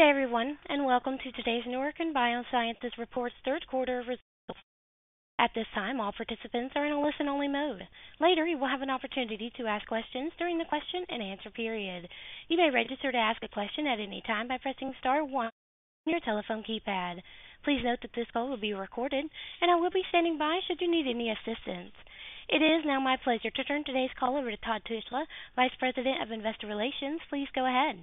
Good day, everyone, and welcome to today's Neurocrine Biosciences' third quarter results. At this time, all participants are in a listen-only mode. Later, you will have an opportunity to ask questions during the question-and-answer period. You may register to ask a question at any time by pressing star one on your telephone keypad. Please note that this call will be recorded, and I will be standing by should you need any assistance. It is now my pleasure to turn today's call over to Todd Tushla, Vice President of Investor Relations. Please go ahead.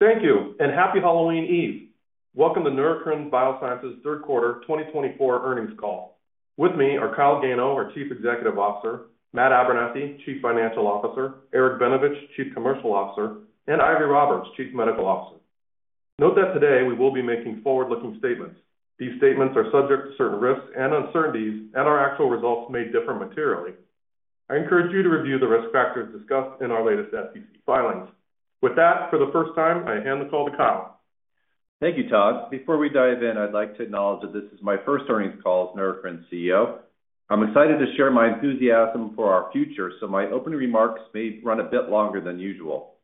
Thank you, and happy Halloween Eve. Welcome to Neurocrine Biosciences' third quarter 2024 earnings call. With me are Kyle Gano, our Chief Executive Officer, Matt Abernethy, Chief Financial Officer, Eric Benevich, Chief Commercial Officer, and Eiry Roberts, Chief Medical Officer. Note that today we will be making forward-looking statements. These statements are subject to certain risks and uncertainties, and our actual results may differ materially. I encourage you to review the risk factors discussed in our latest SEC filings. With that, for the first time, I hand the call to Kyle. Thank you, Todd. Before we dive in, I'd like to acknowledge that this is my first earnings call as Neurocrine CEO. I'm excited to share my enthusiasm for our future, so my opening remarks may run a bit longer than usual.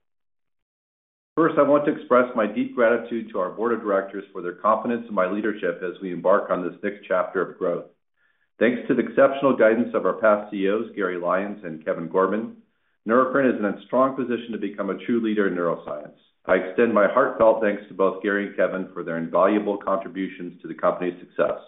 First, I want to express my deep gratitude to our Board of Directors for their confidence in my leadership as we embark on this next chapter of growth. Thanks to the exceptional guidance of our past CEOs, Gary Lyons and Kevin Gorman, Neurocrine is in a strong position to become a true leader in neuroscience. I extend my heartfelt thanks to both Gary and Kevin for their invaluable contributions to the company's success.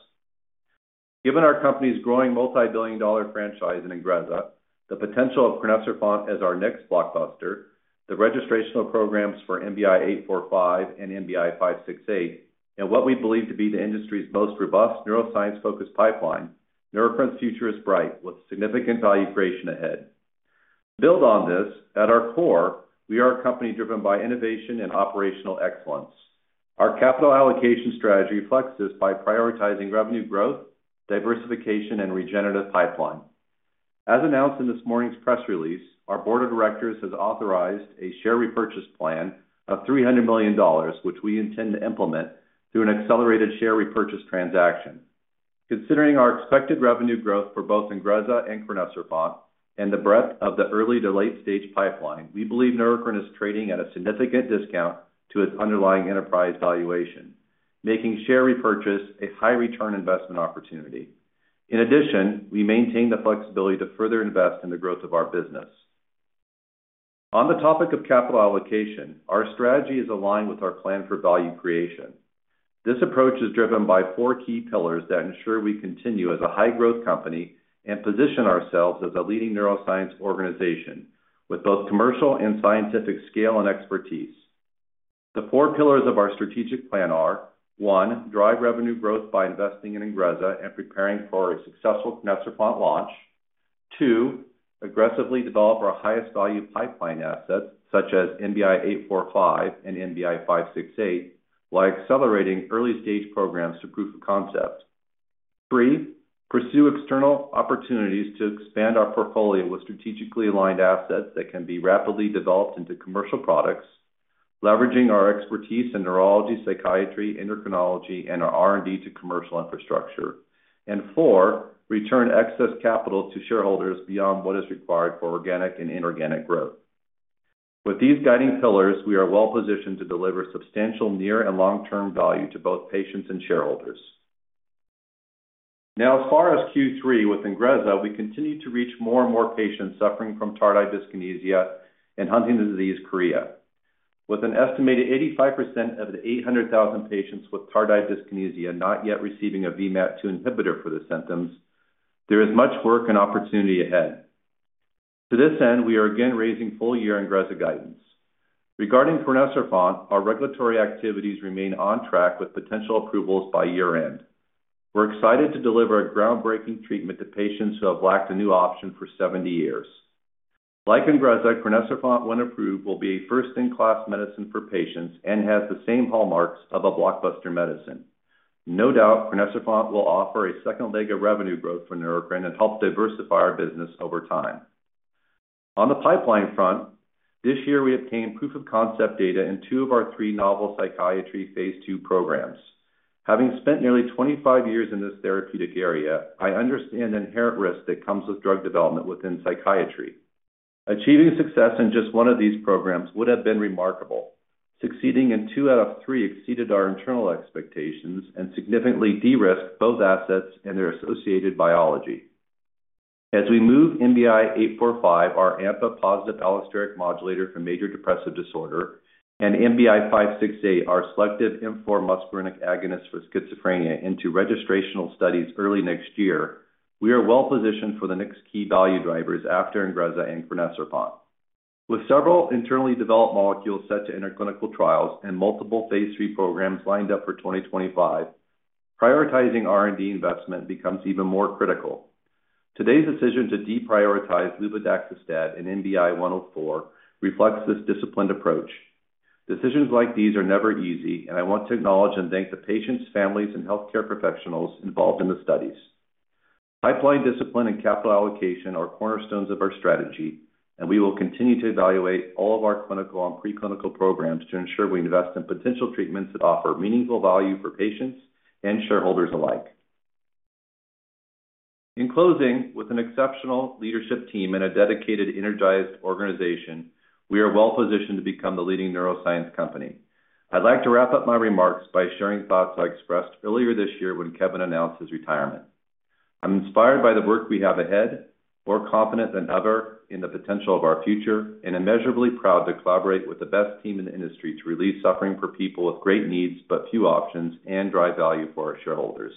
Given our company's growing multi-billion dollar franchise in INGREZZA, the potential of crinecerfont as our next blockbuster, the registration programs for NBI-845 and NBI-568, and what we believe to be the industry's most robust neuroscience-focused pipeline, Neurocrine's future is bright with significant value creation ahead. To build on this, at our core, we are a company driven by innovation and operational excellence. Our capital allocation strategy flexes by prioritizing revenue growth, diversification, and regenerative pipeline. As announced in this morning's press release, our Board of Directors has authorized a share repurchase plan of $300 million, which we intend to implement through an accelerated share repurchase transaction. Considering our expected revenue growth for both INGREZZA and crinecerfont and the breadth of the early to late-stage pipeline, we believe Neurocrine is trading at a significant discount to its underlying enterprise valuation, making share repurchase a high-return investment opportunity. In addition, we maintain the flexibility to further invest in the growth of our business. On the topic of capital allocation, our strategy is aligned with our plan for value creation. This approach is driven by four key pillars that ensure we continue as a high-growth company and position ourselves as a leading neuroscience organization with both commercial and scientific scale and expertise. The four pillars of our strategic plan are: One, drive revenue growth by investing in INGREZZA and preparing for a successful crinecerfont launch. Two, aggressively develop our highest-value pipeline assets such as NBI-845 and NBI-568 by accelerating early-stage programs to proof of concept. Three, pursue external opportunities to expand our portfolio with strategically aligned assets that can be rapidly developed into commercial products, leveraging our expertise in neurology, psychiatry, endocrinology, and our R&D to commercial infrastructure. And four, return excess capital to shareholders beyond what is required for organic and inorganic growth. With these guiding pillars, we are well-positioned to deliver substantial near and long-term value to both patients and shareholders. Now, as far as Q3 with INGREZZA, we continue to reach more and more patients suffering from tardive dyskinesia and Huntington's disease chorea. With an estimated 85% of the 800,000 patients with tardive dyskinesia not yet receiving a VMAT2 inhibitor for the symptoms, there is much work and opportunity ahead. To this end, we are again raising full-year INGREZZA guidance. Regarding crinecerfont, our regulatory activities remain on track with potential approvals by year-end. We're excited to deliver a groundbreaking treatment to patients who have lacked a new option for 70 years. Like INGREZZA, crinecerfont, when approved, will be a first-in-class medicine for patients and has the same hallmarks of a blockbuster medicine. No doubt, crinecerfont will offer a second leg of revenue growth for Neurocrine and help diversify our business over time. On the pipeline front, this year we obtained proof of concept data in two of our three novel psychiatry phase 2 programs. Having spent nearly 25 years in this therapeutic area, I understand the inherent risk that comes with drug development within psychiatry. Achieving success in just one of these programs would have been remarkable. Succeeding in two out of three exceeded our internal expectations and significantly de-risked both assets and their associated biology. As we move NBI-845, our AMPA positive allosteric modulator for major depressive disorder, and NBI-568, our selective M4 muscarinic agonist for schizophrenia, into registrational studies early next year, we are well-positioned for the next key value drivers after INGREZZA and crinecerfont. With several internally developed molecules set to enter clinical trials and multiple phase 3 programs lined up for 2025, prioritizing R&D investment becomes even more critical. Today's decision to deprioritize luvadaxistat and NBI-104 reflects this disciplined approach. Decisions like these are never easy, and I want to acknowledge and thank the patients, families, and healthcare professionals involved in the studies. Pipeline discipline and capital allocation are cornerstones of our strategy, and we will continue to evaluate all of our clinical and preclinical programs to ensure we invest in potential treatments that offer meaningful value for patients and shareholders alike. In closing, with an exceptional leadership team and a dedicated, energized organization, we are well-positioned to become the leading neuroscience company. I'd like to wrap up my remarks by sharing thoughts I expressed earlier this year when Kevin announced his retirement. I'm inspired by the work we have ahead, more confident than ever in the potential of our future, and immeasurably proud to collaborate with the best team in the industry to relieve suffering for people with great needs but few options and drive value for our shareholders.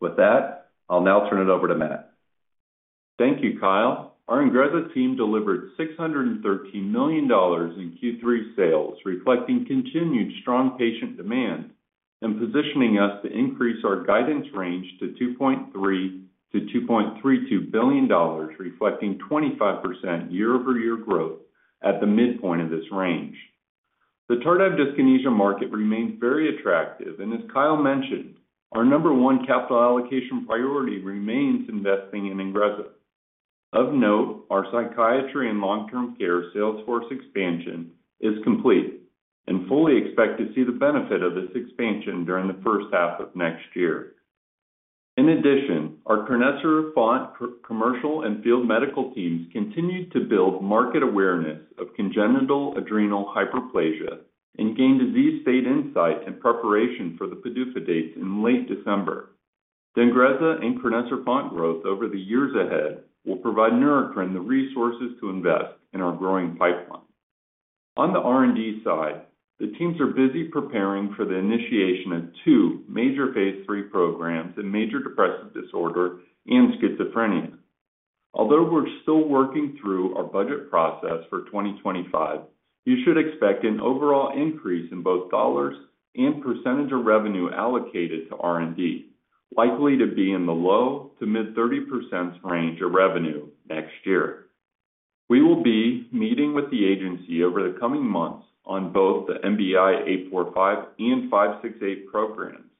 With that, I'll now turn it over to Matt. Thank you, Kyle. Our INGREZZA team delivered $613 million in Q3 sales, reflecting continued strong patient demand and positioning us to increase our guidance range to $2.3-$2.32 billion, reflecting 25% year-over-year growth at the midpoint of this range. The tardive dyskinesia market remains very attractive, and as Kyle mentioned, our number one capital allocation priority remains investing in INGREZZA. Of note, our psychiatry and long-term care sales force expansion is complete, and fully expect to see the benefit of this expansion during the first half of next year. In addition, our crinecerfont commercial and field medical teams continued to build market awareness of congenital adrenal hyperplasia and gain disease state insight in preparation for the PDUFA dates in late December. The INGREZZA and crinecerfont growth over the years ahead will provide Neurocrine the resources to invest in our growing pipeline. On the R&D side, the teams are busy preparing for the initiation of two major phase 3 programs in major depressive disorder and schizophrenia. Although we're still working through our budget process for 2025, you should expect an overall increase in both dollars and percentage of revenue allocated to R&D, likely to be in the low- to mid-30% range of revenue next year. We will be meeting with the agency over the coming months on both the NBI-845 and NBI-568 programs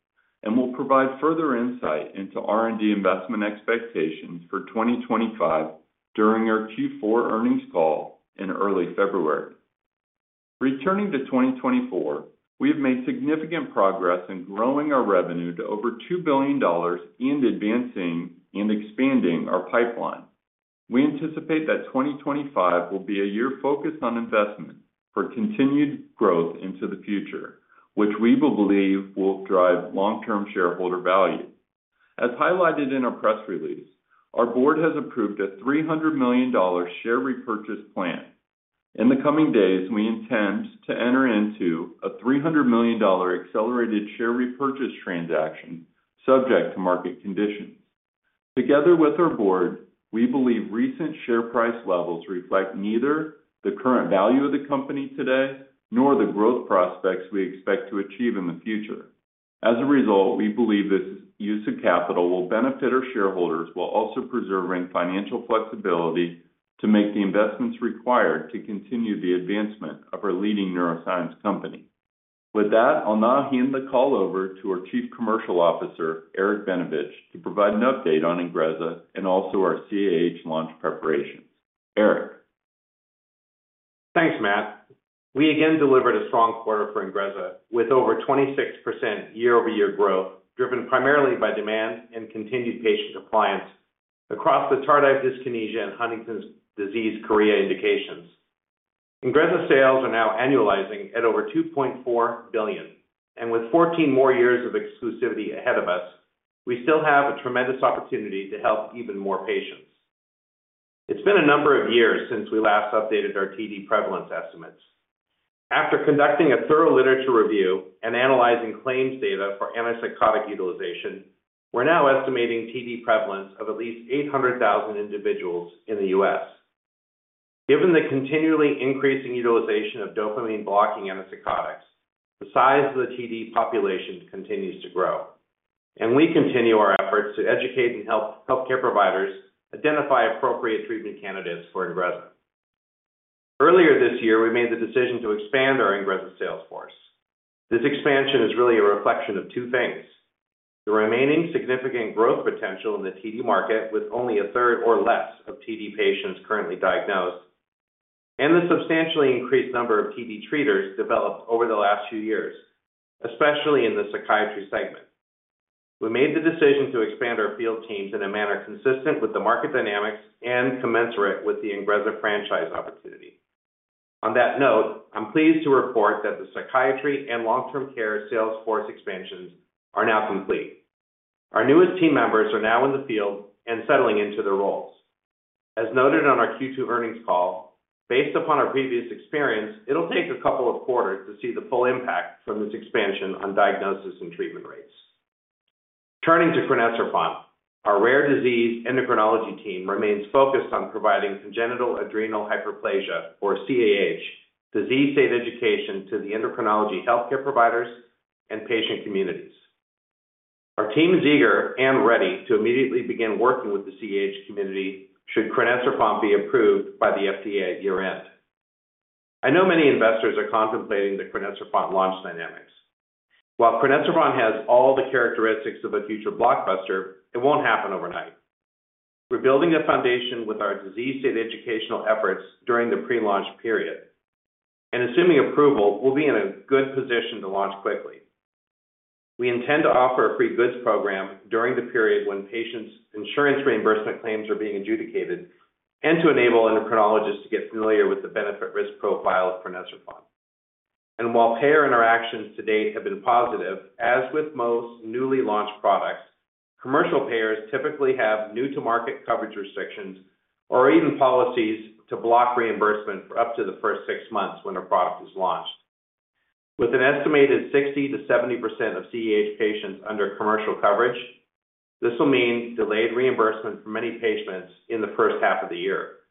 and will provide further insight into R&D investment expectations for 2025 during our Q4 earnings call in early February. Returning to 2024, we have made significant progress in growing our revenue to over $2 billion and advancing and expanding our pipeline. We anticipate that 2025 will be a year focused on investment for continued growth into the future, which we believe will drive long-term shareholder value. As highlighted in our press release, our board has approved a $300 million share repurchase plan. In the coming days, we intend to enter into a $300 million accelerated share repurchase transaction subject to market conditions. Together with our board, we believe recent share price levels reflect neither the current value of the company today nor the growth prospects we expect to achieve in the future. As a result, we believe this use of capital will benefit our shareholders while also preserving financial flexibility to make the investments required to continue the advancement of our leading neuroscience company. With that, I'll now hand the call over to our Chief Commercial Officer, Eric Benevich, to provide an update on INGREZZA and also our CAH launch preparations. Eric. Thanks, Matt. We again delivered a strong quarter for INGREZZA with over 26% year-over-year growth driven primarily by demand and continued patient compliance across the tardive dyskinesia and Huntington's disease chorea indications. INGREZZA sales are now annualizing at over $2.4 billion, and with 14 more years of exclusivity ahead of us, we still have a tremendous opportunity to help even more patients. It's been a number of years since we last updated our TD prevalence estimates. After conducting a thorough literature review and analyzing claims data for antipsychotic utilization, we're now estimating TD prevalence of at least 800,000 individuals in the U.S. Given the continually increasing utilization of dopamine-blocking antipsychotics, the size of the TD population continues to grow, and we continue our efforts to educate and help healthcare providers identify appropriate treatment candidates for INGREZZA. Earlier this year, we made the decision to expand our INGREZZA sales force. This expansion is really a reflection of two things: the remaining significant growth potential in the TD market with only a third or less of TD patients currently diagnosed and the substantially increased number of TD treaters developed over the last few years, especially in the psychiatry segment. We made the decision to expand our field teams in a manner consistent with the market dynamics and commensurate with the INGREZZA franchise opportunity. On that note, I'm pleased to report that the psychiatry and long-term care sales force expansions are now complete. Our newest team members are now in the field and settling into their roles. As noted on our Q2 earnings call, based upon our previous experience, it'll take a couple of quarters to see the full impact from this expansion on diagnosis and treatment rates. Turning to crinecerfont, our rare disease endocrinology team remains focused on providing congenital adrenal hyperplasia, or CAH, disease state education to the endocrinology healthcare providers and patient communities. Our team is eager and ready to immediately begin working with the CAH community should crinecerfont be approved by the FDA at year-end. I know many investors are contemplating the crinecerfont launch dynamics. While crinecerfont has all the characteristics of a future blockbuster, it won't happen overnight. We're building a foundation with our disease state educational efforts during the pre-launch period, and assuming approval, we'll be in a good position to launch quickly. We intend to offer a free goods program during the period when patients' insurance reimbursement claims are being adjudicated and to enable endocrinologists to get familiar with the benefit-risk profile of crinecerfont. And while payer interactions to date have been positive, as with most newly launched products, commercial payers typically have new-to-market coverage restrictions or even policies to block reimbursement for up to the first six months when a product is launched. With an estimated 60%-70% of CAH patients under commercial coverage, this will mean delayed reimbursement for many patients in the first half of the year.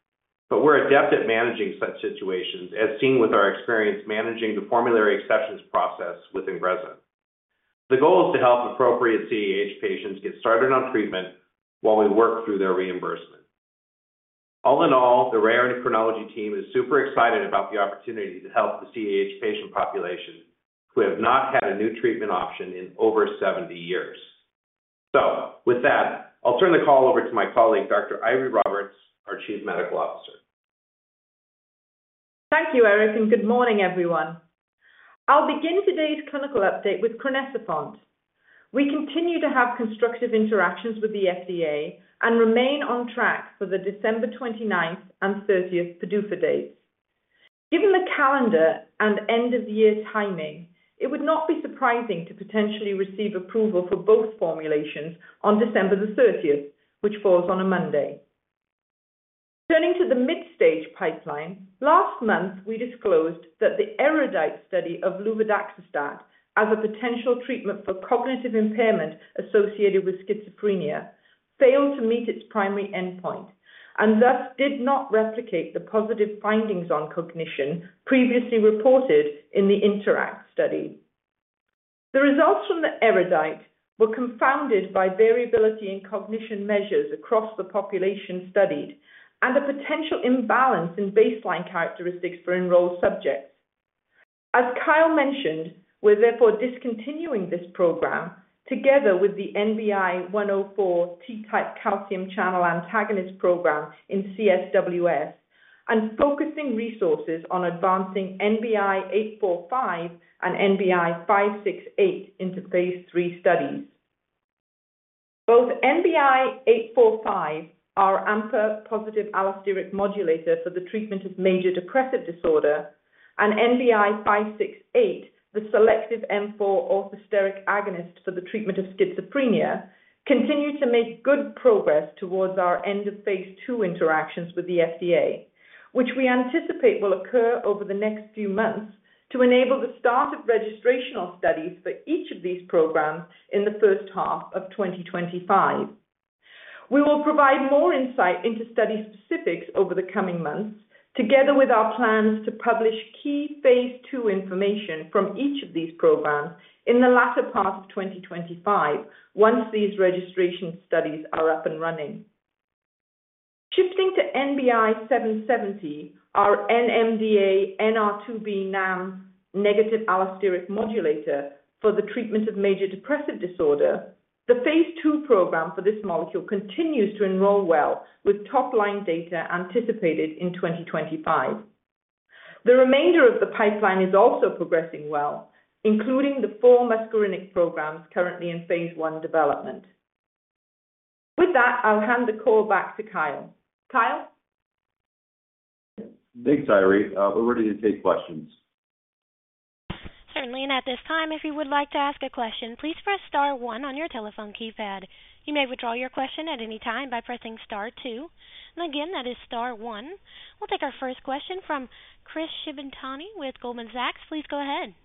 But we're adept at managing such situations, as seen with our experience managing the formulary exceptions process with INGREZZA. The goal is to help appropriate CAH patients get started on treatment while we work through their reimbursement. All in all, the rare endocrinology team is super excited about the opportunity to help the CAH patient population who have not had a new treatment option in over 70 years. So with that, I'll turn the call over to my colleague, Dr. Eiry Roberts, our Chief Medical Officer. Thank you, Eric, and good morning, everyone. I'll begin today's clinical update with crinecerfont. We continue to have constructive interactions with the FDA and remain on track for the December 29th and 30th PDUFA dates. Given the calendar and end-of-year timing, it would not be surprising to potentially receive approval for both formulations on December the 30th, which falls on a Monday. Turning to the mid-stage pipeline, last month we disclosed that the ERUDITE study of luvadaxistat as a potential treatment for cognitive impairment associated with schizophrenia failed to meet its primary endpoint and thus did not replicate the positive findings on cognition previously reported in the INTERACT study. The results from the ERUDITE were confounded by variability in cognition measures across the population studied and a potential imbalance in baseline characteristics for enrolled subjects. As Kyle mentioned, we're therefore discontinuing this program together with the NBI-104 T-type calcium channel antagonist program in CSWS and focusing resources on advancing NBI-845 and NBI-568 into phase 3 studies. Both NBI-845, our AMPA-positive allosteric modulator for the treatment of major depressive disorder, and NBI-568, the selective M4 orthosteric agonist for the treatment of schizophrenia, continue to make good progress towards our end-of-phase 2 interactions with the FDA, which we anticipate will occur over the next few months to enable the start of registrational studies for each of these programs in the first half of 2025. We will provide more insight into study specifics over the coming months, together with our plans to publish key phase 2 information from each of these programs in the latter part of 2025 once these registration studies are up and running. Shifting to NBI-770, our NMDA NR2B NAM negative allosteric modulator for the treatment of major depressive disorder, the phase 2 program for this molecule continues to enroll well with top-line data anticipated in 2025. The remainder of the pipeline is also progressing well, including the four muscarinic programs currently in phase 1 development. With that, I'll hand the call back to Kyle. Kyle? Thanks, Eiry. We're ready to take questions. Certainly, and at this time, if you would like to ask a question, please press star one on your telephone keypad. You may withdraw your question at any time by pressing star two. And again, that is star one. We'll take our first question from Chris Shibutani with Goldman Sachs. Please go ahead.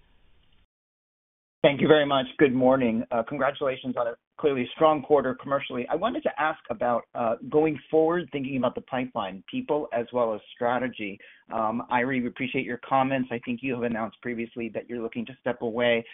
Thank you very much. Good morning. Congratulations on a clearly strong quarter commercially. I wanted to ask about going forward, thinking about the pipeline people as well as strategy. Eiry, we appreciate your comments. I think you have announced previously that you're looking to step away.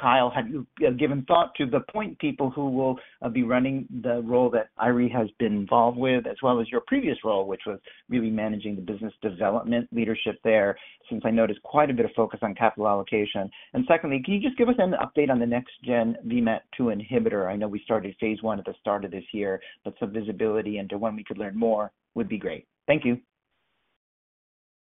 Kyle, have you given thought to the point people who will be running the role that Eiry has been involved with, as well as your previous role, which was really managing the business development leadership there, since I noticed quite a bit of focus on capital allocation? And secondly, can you just give us an update on the next-gen VMAT2 inhibitor? I know we started phase 1 at the start of this year, but some visibility into when we could learn more would be great. Thank you.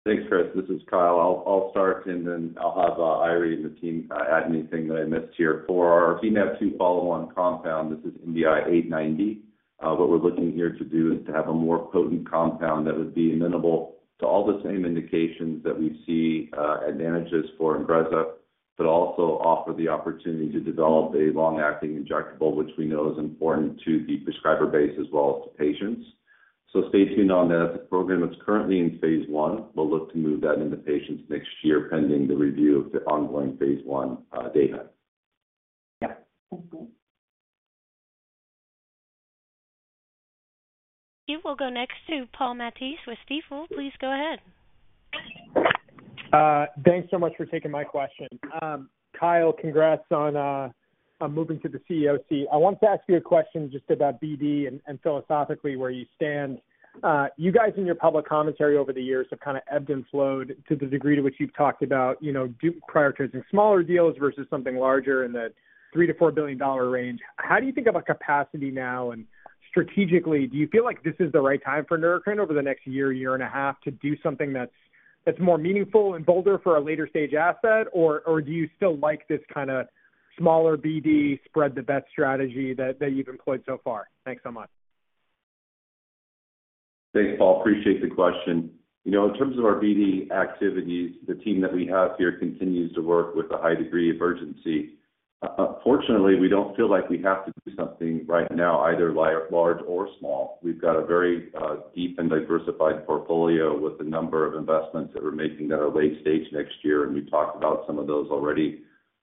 Thanks, Chris. This is Kyle. I'll start, and then I'll have Eiry and the team add anything that I missed here. For our VMAT2 follow-on compound, this is NBI-890. What we're looking here to do is to have a more potent compound that would be amenable to all the same indications that we see advantages for INGREZZA, but also offer the opportunity to develop a long-acting injectable, which we know is important to the prescriber base as well as to patients. So stay tuned on that. It's a program that's currently in phase 1. We'll look to move that into patients next year, pending the review of the ongoing phase 1 data. Yeah. Thank you. You will go next to Paul Matteis with Stifel. Please go ahead. Thanks so much for taking my question. Kyle, congrats on moving to the CEO seat. I wanted to ask you a question just about BD and philosophically where you stand. You guys and your public commentary over the years have kind of ebbed and flowed to the degree to which you've talked about prioritizing smaller deals versus something larger in the $3 billion - $4 billion range. How do you think about capacity now? And strategically, do you feel like this is the right time for Neurocrine over the next year, year and a half, to do something that's more meaningful and bolder for a later-stage asset? Or do you still like this kind of smaller BD spread-the-bet strategy that you've employed so far? Thanks so much. Thanks, Paul. Appreciate the question. In terms of our BD activities, the team that we have here continues to work with a high degree of urgency. Fortunately, we don't feel like we have to do something right now, either large or small. We've got a very deep and diversified portfolio with a number of investments that we're making that are late-stage next year, and we've talked about some of those already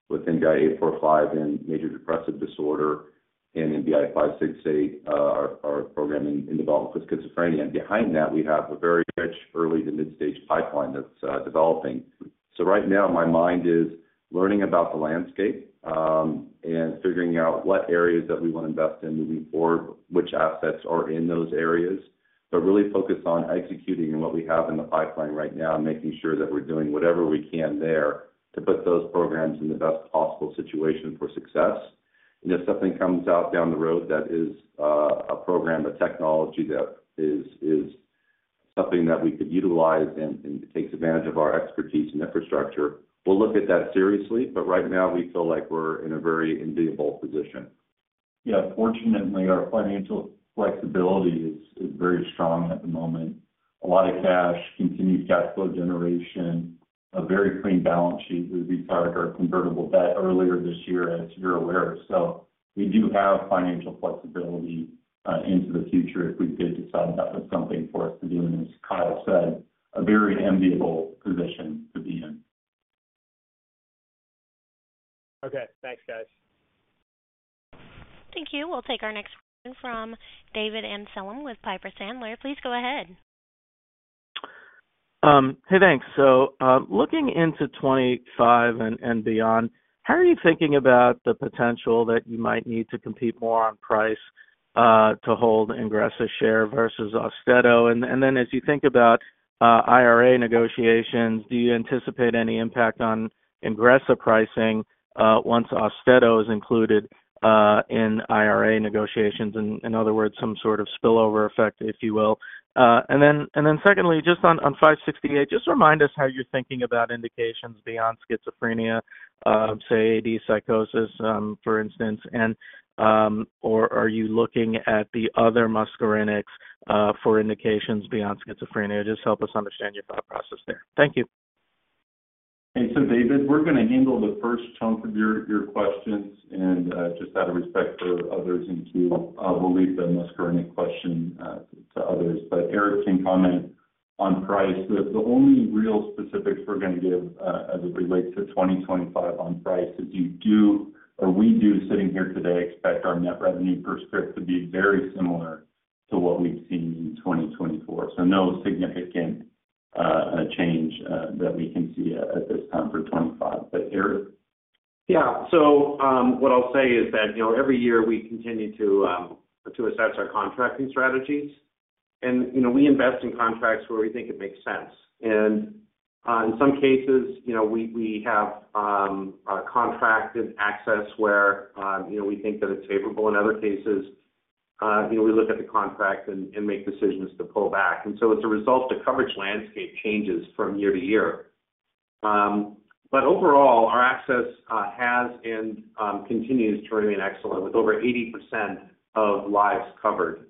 with NBI-845 and major depressive disorder, and NBI-568, our program in development for schizophrenia, and behind that, we have a very rich early-to-mid-stage pipeline that's developing. Right now, my mind is learning about the landscape and figuring out what areas that we want to invest in moving forward, which assets are in those areas, but really focus on executing what we have in the pipeline right now and making sure that we're doing whatever we can there to put those programs in the best possible situation for success. If something comes out down the road that is a program, a technology that is something that we could utilize and takes advantage of our expertise and infrastructure, we'll look at that seriously. Right now, we feel like we're in a very enviable position. Yeah, fortunately, our financial flexibility is very strong at the moment. A lot of cash, continued cash flow generation, a very clean balance sheet. We retired our convertible debt earlier this year, as you're aware. So we do have financial flexibility into the future if we did decide that was something for us to do. And as Kyle said, a very enviable position to be in. Okay. Thanks, guys. Thank you. We'll take our next question from David Amsellem with Piper Sandler. Please go ahead. Hey, thanks. So looking into 2025 and beyond, how are you thinking about the potential that you might need to compete more on price to hold INGREZZA share versus AUSTEDO? And then as you think about IRA negotiations, do you anticipate any impact on INGREZZA pricing once AUSTEDO is included in IRA negotiations? In other words, some sort of spillover effect, if you will. And then secondly, just on 568, just remind us how you're thinking about indications beyond schizophrenia, say, AD psychosis, for instance. And/or are you looking at the other muscarinics for indications beyond schizophrenia? Just help us understand your thought process there. Thank you. David, we're going to handle the first chunk of your questions. Just out of respect for others and to relate the muscarinic question to others, but Eric can comment on price. The only real specifics we're going to give as it relates to 2025 on price is you do, or we do, sitting here today, expect our net revenue per script to be very similar to what we've seen in 2024. No significant change that we can see at this time for '25. Eric. Yeah. So what I'll say is that every year we continue to assess our contracting strategies. And we invest in contracts where we think it makes sense. And in some cases, we have contracted access where we think that it's favorable. In other cases, we look at the contract and make decisions to pull back. And so as a result, the coverage landscape changes from year to year. But overall, our access has and continues to remain excellent, with over 80% of lives covered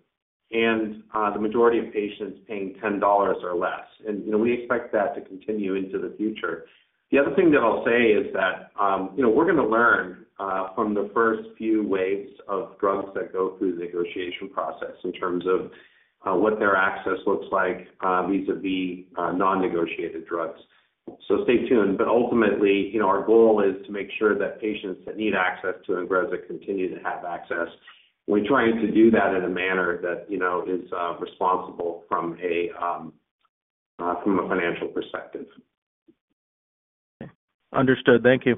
and the majority of patients paying $10 or less. And we expect that to continue into the future. The other thing that I'll say is that we're going to learn from the first few waves of drugs that go through the negotiation process in terms of what their access looks like B2B non-negotiated drugs. So stay tuned. But ultimately, our goal is to make sure that patients that need access to INGREZZA continue to have access. We're trying to do that in a manner that is responsible from a financial perspective. Understood. Thank you.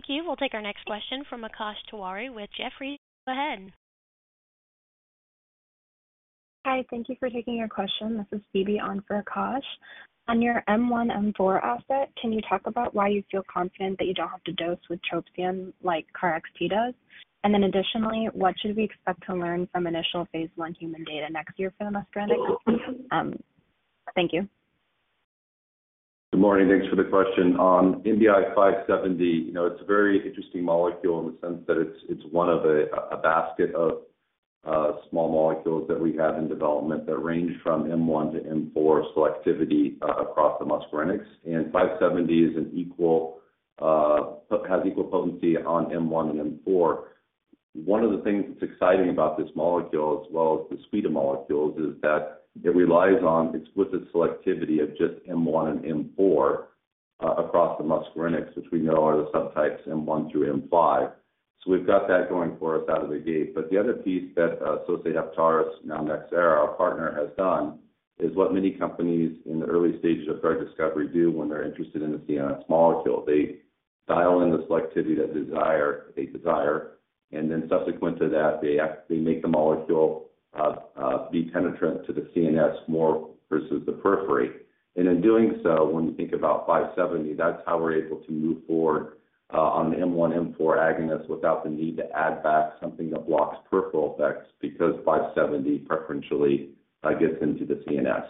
Thank you. We'll take our next question from Akash Tewari with Jefferies. Go ahead. Hi. Thank you for taking your question. This is Phoebe on for Akash. On your M1, M4 asset, can you talk about why you feel confident that you don't have to dose with trospium like KarXT does? And then additionally, what should we expect to learn from initial phase 1 human data next year for the muscarinic? Thank you. Good morning. Thanks for the question. On NBI-570, it's a very interesting molecule in the sense that it's one of a basket of small molecules that we have in development that range from M1 to M4 selectivity across the muscarinics, and 570 has equal potency on M1 and M4. One of the things that's exciting about this molecule, as well as the suite of molecules, is that it relies on exquisite selectivity of just M1 and M4 across the muscarinics, which we know are the subtypes M1 through M5, so we've got that going for us out of the gate, but the other piece that Sosei Heptares, now Nxera, our partner, has done is what many companies in the early stages of drug discovery do when they're interested in a CNS molecule. They dial in the selectivity that they desire. And then subsequent to that, they make the molecule be penetrant to the CNS more versus the periphery. And in doing so, when you think about 570, that's how we're able to move forward on the M1, M4 agonists without the need to add back something that blocks peripheral effects because 570 preferentially gets into the CNS.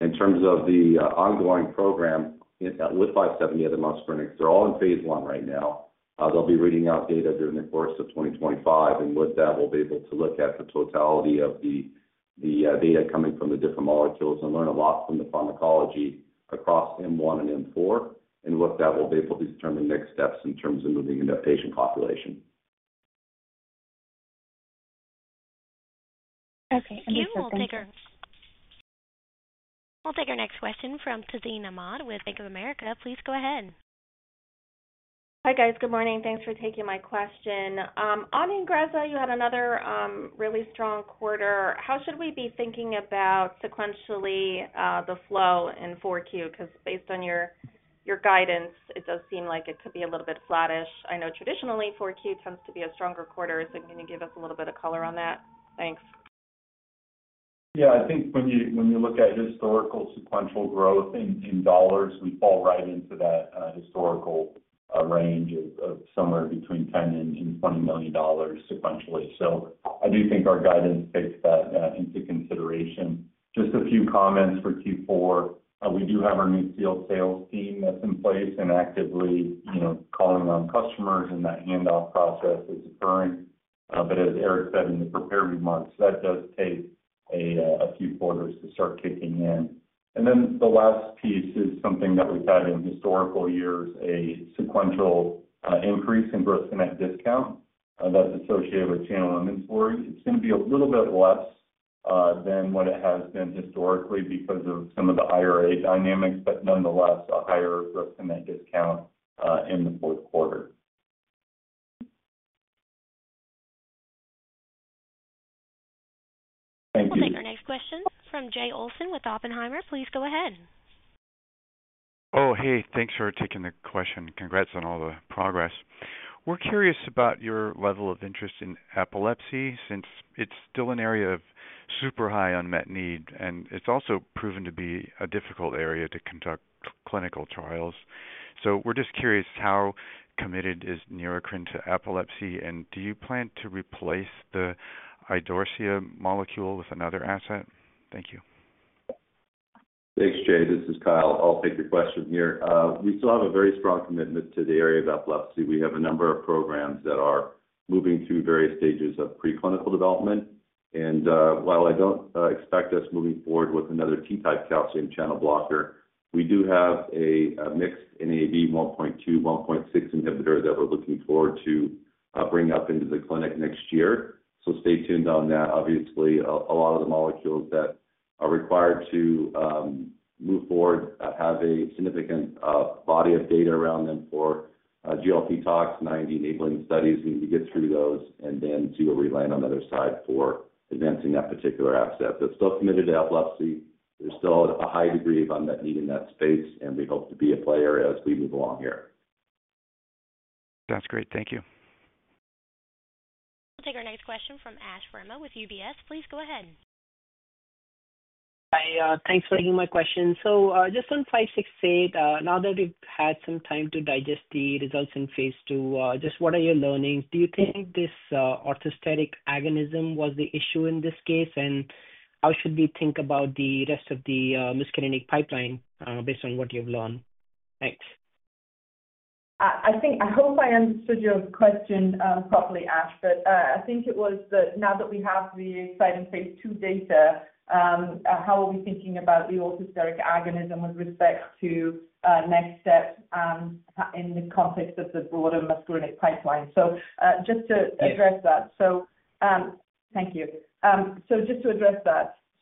In terms of the ongoing program with 570 of the muscarinics, they're all in phase 1 right now. They'll be reading out data during the course of 2025. And with that, we'll be able to look at the totality of the data coming from the different molecules and learn a lot from the pharmacology across M1 and M4 and what that will be able to determine next steps in terms of moving into a patient population. Okay. We'll take our next question from Tazeen Ahmad with Bank of America. Please go ahead. Hi, guys. Good morning. Thanks for taking my question. On INGREZZA, you had another really strong quarter. How should we be thinking about sequentially the flow in 4Q? Because based on your guidance, it does seem like it could be a little bit flattish. I know traditionally, 4Q tends to be a stronger quarter. So can you give us a little bit of color on that? Thanks. Yeah. I think when you look at historical sequential growth in dollars, we fall right into that historical range of somewhere between $10 million - $20 million sequentially. So I do think our guidance takes that into consideration. Just a few comments for Q4. We do have our new field sales team that's in place and actively calling on customers, and that handoff process is occurring, but as Eric said in the prepared remarks, that does take a few quarters to start kicking in, and then the last piece is something that we've had in historical years, a sequential increase in gross-to-net discount that's associated with channel inventory. It's going to be a little bit less than what it has been historically because of some of the IRA dynamics, but nonetheless, a higher gross-to-net discount in the fourth quarter. Thank you. We'll take our next question from Jay Olsen with Oppenheimer. Please go ahead. Oh, hey. Thanks for taking the question. Congrats on all the progress. We're curious about your level of interest in epilepsy since it's still an area of super high unmet need, and it's also proven to be a difficult area to conduct clinical trials. So we're just curious how committed is Neurocrine to epilepsy, and do you plan to replace the Idorsia molecule with another asset? Thank you. Thanks, Jay. This is Kyle. I'll take your question here. We still have a very strong commitment to the area of epilepsy. We have a number of programs that are moving through various stages of preclinical development. And while I don't expect us moving forward with another T-type calcium channel blocker, we do have a mixed Nav1.2, Nav1.6 inhibitor that we're looking forward to bring up into the clinic next year. So stay tuned on that. Obviously, a lot of the molecules that are required to move forward have a significant body of data around them for GLP-tox 90 enabling studies. We need to get through those and then see where we land on the other side for advancing that particular asset. But still committed to epilepsy. There's still a high degree of unmet need in that space, and we hope to be a player as we move along here. That's great. Thank you. We'll take our next question from Ash Verma with UBS. Please go ahead. Hi. Thanks for your question. So just on 568, now that we've had some time to digest the results in phase 2, just what are your learnings? Do you think this orthosteric agonism was the issue in this case, and how should we think about the rest of the muscarinic pipeline based on what you've learned? Thanks. I hope I understood your question properly, Ash, but I think it was that now that we have the exciting phase 2 data, how are we thinking about the orthosteric agonism with respect to next steps in the context of the broader muscarinic pipeline? So, just to address that. Thank you.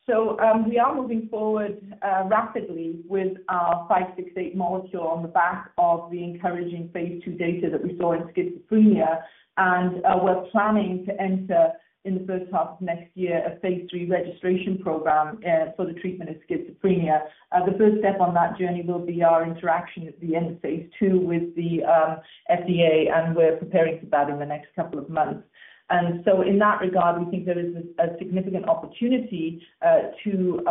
So, we are moving forward rapidly with our NBI-568 molecule on the back of the encouraging phase 2 data that we saw in schizophrenia, and we're planning to enter in the first half of next year a phase 2 registration program for the treatment of schizophrenia. The first step on that journey will be our interaction at the end of phase 2 with the FDA, and we're preparing for that in the next couple of months. And so in that regard, we think there is a significant opportunity to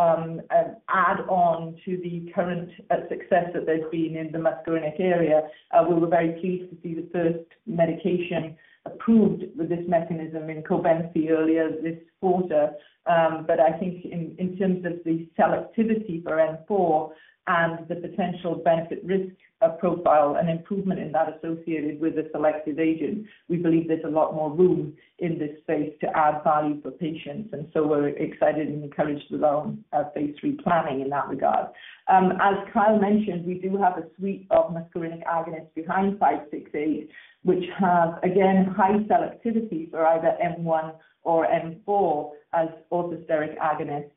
add on to the current success that there's been in the muscarinic area. We were very pleased to see the first medication approved with this mechanism in COBENFY earlier this quarter. But I think in terms of the selectivity for M4 and the potential benefit-risk profile and improvement in that associated with a selective agent, we believe there's a lot more room in this space to add value for patients. And so we're excited and encouraged with our phase three planning in that regard. As Kyle mentioned, we do have a suite of muscarinic agonists behind 568, which have, again, high selectivity for either M1 or M4 as orthosteric agonists.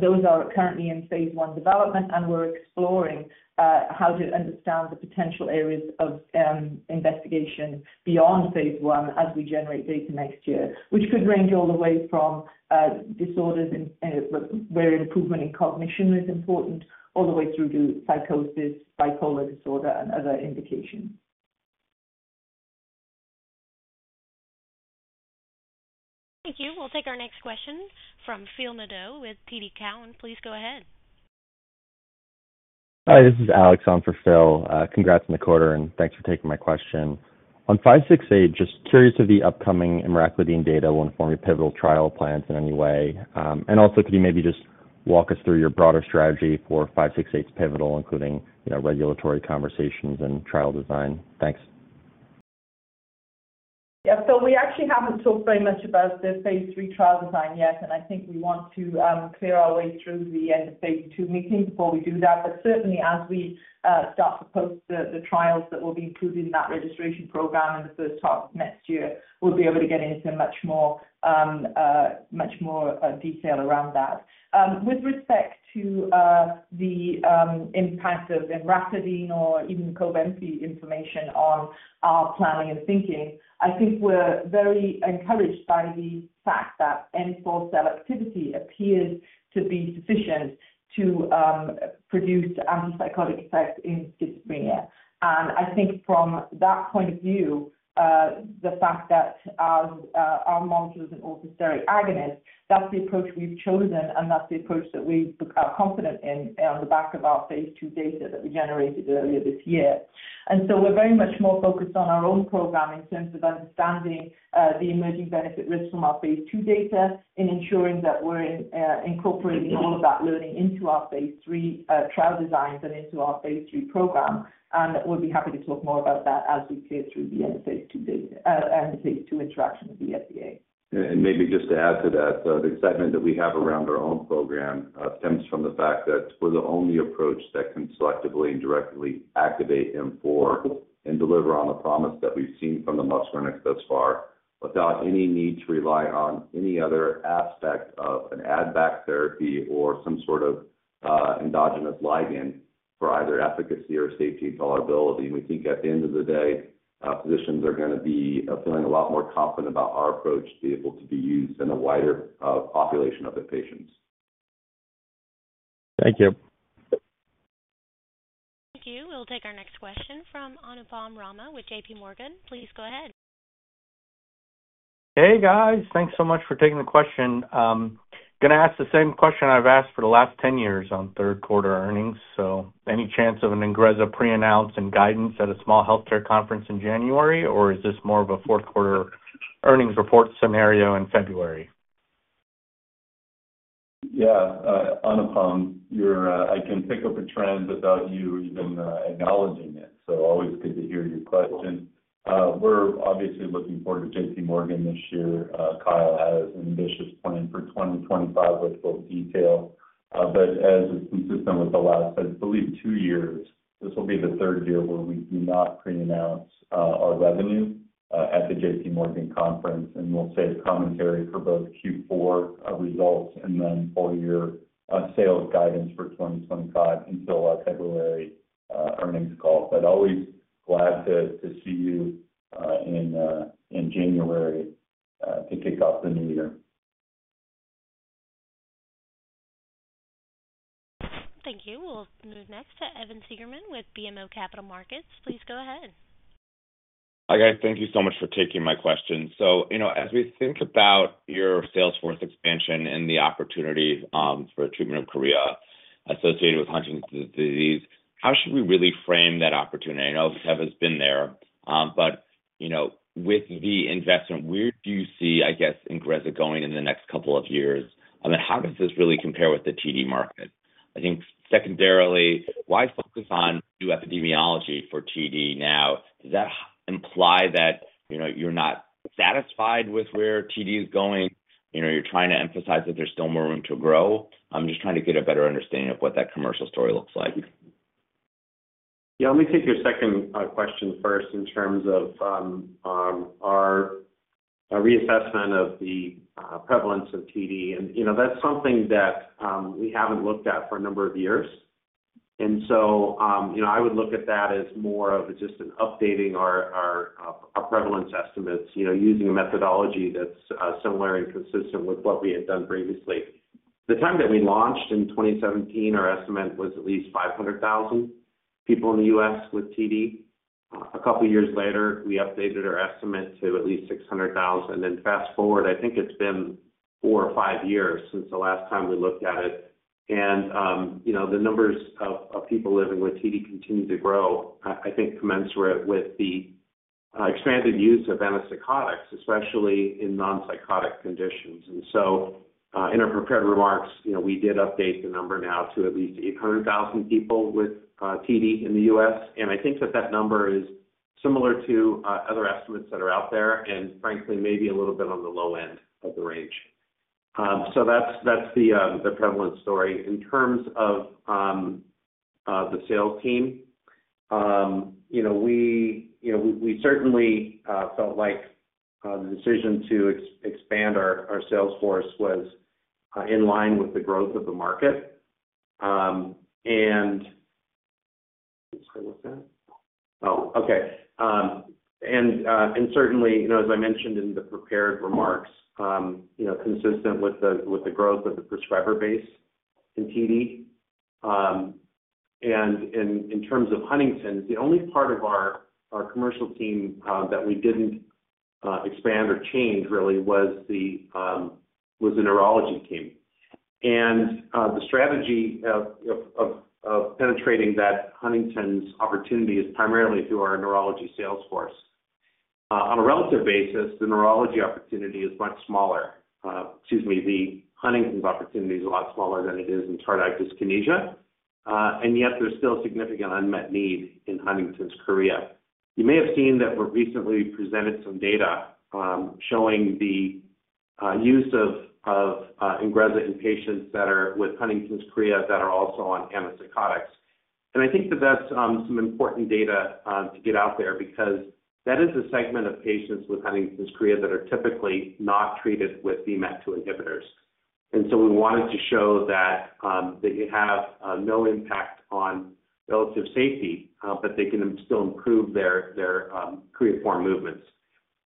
Those are currently in phase 1 development, and we're exploring how to understand the potential areas of investigation beyond phase 1 as we generate data next year, which could range all the way from disorders where improvement in cognition is important all the way through to psychosis, bipolar disorder, and other indications. Thank you. We'll take our next question from Phil Nadeau with TD Cowen. Please go ahead. Hi. This is Alex on for Phil. Congrats on the quarter, and thanks for taking my question. On 568, just curious if the upcoming emraclidine data will inform your pivotal trial plans in any way. And also, could you maybe just walk us through your broader strategy for 568's pivotal, including regulatory conversations and trial design? Thanks. Yeah. So we actually haven't talked very much about the phase 3 trial design yet, and I think we want to clear our way through the end of phase 2 meeting before we do that. But certainly, as we start to post the trials that will be included in that registration program in the first half of next year, we'll be able to get into much more detail around that. With respect to the impact of emraclidine or even COBENFY information on our planning and thinking, I think we're very encouraged by the fact that M4 selectivity appears to be sufficient to produce antipsychotic effects in schizophrenia. And I think from that point of view, the fact that our molecule is an orthosteric agonist, that's the approach we've chosen, and that's the approach that we are confident in on the back of our phase two data that we generated earlier this year. And so we're very much more focused on our own program in terms of understanding the emerging benefit-risk from our phase two data in ensuring that we're incorporating all of that learning into our phase three trial designs and into our phase three program. And we'll be happy to talk more about that as we clear through the end of phase two data and the phase two interaction with the FDA. And maybe just to add to that, the excitement that we have around our own program stems from the fact that we're the only approach that can selectively and directly activate M4 and deliver on the promise that we've seen from the muscarinics thus far without any need to rely on any other aspect of an add-back therapy or some sort of endogenous ligand for either efficacy or safety and tolerability. And we think at the end of the day, physicians are going to be feeling a lot more confident about our approach to be able to be used in a wider population of the patients. Thank you. Thank you. We'll take our next question from Anupam Rama with JPMorgan. Please go ahead. Hey, guys. Thanks so much for taking the question. Going to ask the same question I've asked for the last 10 years on third-quarter earnings. So any chance of an INGREZZA pre-announced and guidance at a small healthcare conference in January, or is this more of a fourth-quarter earnings report scenario in February? Yeah. Anupam, I can pick up a trend without you even acknowledging it. So always good to hear your question. We're obviously looking forward to JPMorgan this year. Kyle has an ambitious plan for 2025 with full detail. But as is consistent with the last, I believe, two years, this will be the third year where we do not pre-announce our revenue at the JPMorgan conference. And we'll say commentary for both Q4 results and then four-year sales guidance for 2025 until our February earnings call. But always glad to see you in January to kick off the new year. Thank you. We'll move next to Evan Seigerman with BMO Capital Markets. Please go ahead. Hi, guys. Thank you so much for taking my question. So as we think about your sales force expansion and the opportunity for treatment of chorea associated with Huntington's disease, how should we really frame that opportunity? I know Kevin's been there. But with the investment, where do you see, I guess, INGREZZA going in the next couple of years? And how does this really compare with the TD market? I think secondarily, why focus on new epidemiology for TD now? Does that imply that you're not satisfied with where TD is going? You're trying to emphasize that there's still more room to grow? I'm just trying to get a better understanding of what that commercial story looks like. Yeah. Let me take your second question first in terms of our reassessment of the prevalence of TD. And that's something that we haven't looked at for a number of years. And so I would look at that as more of just updating our prevalence estimates using a methodology that's similar and consistent with what we had done previously. The time that we launched in 2017, our estimate was at least 500,000 people in the U.S. with TD. A couple of years later, we updated our estimate to at least 600,000. And fast forward, I think it's been four or five years since the last time we looked at it. And the numbers of people living with TD continue to grow, I think commensurate with the expanded use of antipsychotics, especially in non-psychotic conditions. And so in our prepared remarks, we did update the number now to at least 800,000 people with TD in the U.S. And I think that that number is similar to other estimates that are out there and frankly, maybe a little bit on the low end of the range. So that's the prevalence story. In terms of the sales team, we certainly felt like the decision to expand our sales force was in line with the growth of the market. And let me just go with that. Oh, okay. And certainly, as I mentioned in the prepared remarks, consistent with the growth of the prescriber base in TD. And in terms of Huntington's, the only part of our commercial team that we didn't expand or change really was the neurology team. And the strategy of penetrating that Huntington's opportunity is primarily through our neurology sales force. On a relative basis, the neurology opportunity is much smaller. Excuse me. The Huntington's opportunity is a lot smaller than it is in tardive dyskinesia. And yet, there's still significant unmet need in Huntington's chorea. You may have seen that we recently presented some data showing the use of INGREZZA in patients that are with Huntington's chorea that are also on antipsychotics. And I think that that's some important data to get out there because that is a segment of patients with Huntington's chorea that are typically not treated with VMAT2 inhibitors. And so we wanted to show that they have no impact on relative safety, but they can still improve their choreiform movements.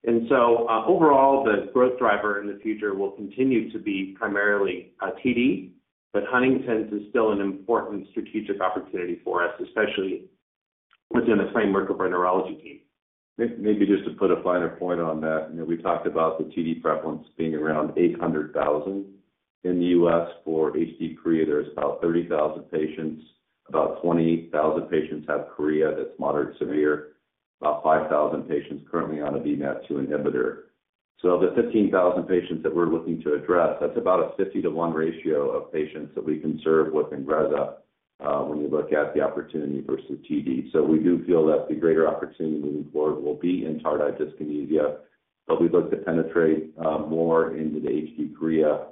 And so overall, the growth driver in the future will continue to be primarily TD, but Huntington's is still an important strategic opportunity for us, especially within the framework of our neurology team. Maybe just to put a finer point on that, we talked about the TD prevalence being around 800,000 in the U.S. For HD chorea, there's about 30,000 patients. About 20,000 patients have chorea that's moderate-severe. About 5,000 patients currently on a VMAT2 inhibitor. So the 15,000 patients that we're looking to address, that's about a 50-to-1 ratio of patients that we can serve with INGREZZA when you look at the opportunity versus TD. So we do feel that the greater opportunity moving forward will be in tardive dyskinesia. But we'd like to penetrate more into the HD chorea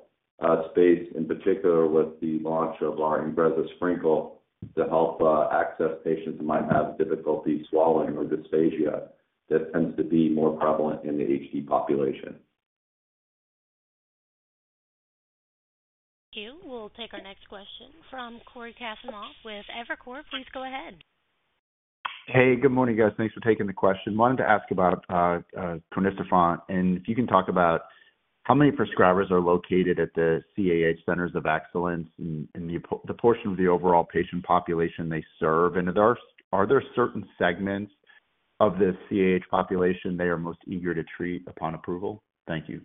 space, in particular with the launch of our INGREZZA SPRINKLE to help access patients who might have difficulty swallowing or dysphagia. That tends to be more prevalent in the HD population. Thank you. We'll take our next question from Cory Kasimov with Evercore. Please go ahead. Hey, good morning, guys. Thanks for taking the question. Wanted to ask about crinecerfont. And if you can talk about how many prescribers are located at the CAH Centers of Excellence in the portion of the overall patient population they serve. And are there certain segments of the CAH population they are most eager to treat upon approval? Thank you.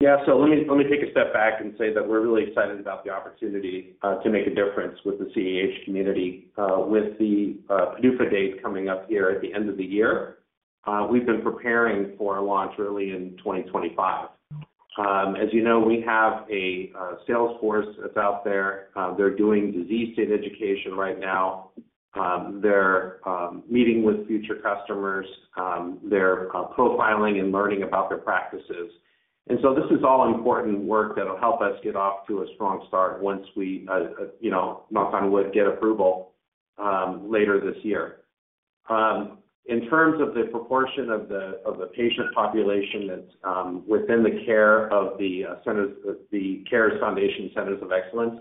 Yeah. So let me take a step back and say that we're really excited about the opportunity to make a difference with the CAH community with the PDUFA date coming up here at the end of the year. We've been preparing for a launch early in 2025. As you know, we have a sales force that's out there. They're doing disease state education right now. They're meeting with future customers. They're profiling and learning about their practices. And so this is all important work that will help us get off to a strong start once we, knock on wood, get approval later this year. In terms of the proportion of the patient population that's within the care of the CARES Foundation Centers of Excellence,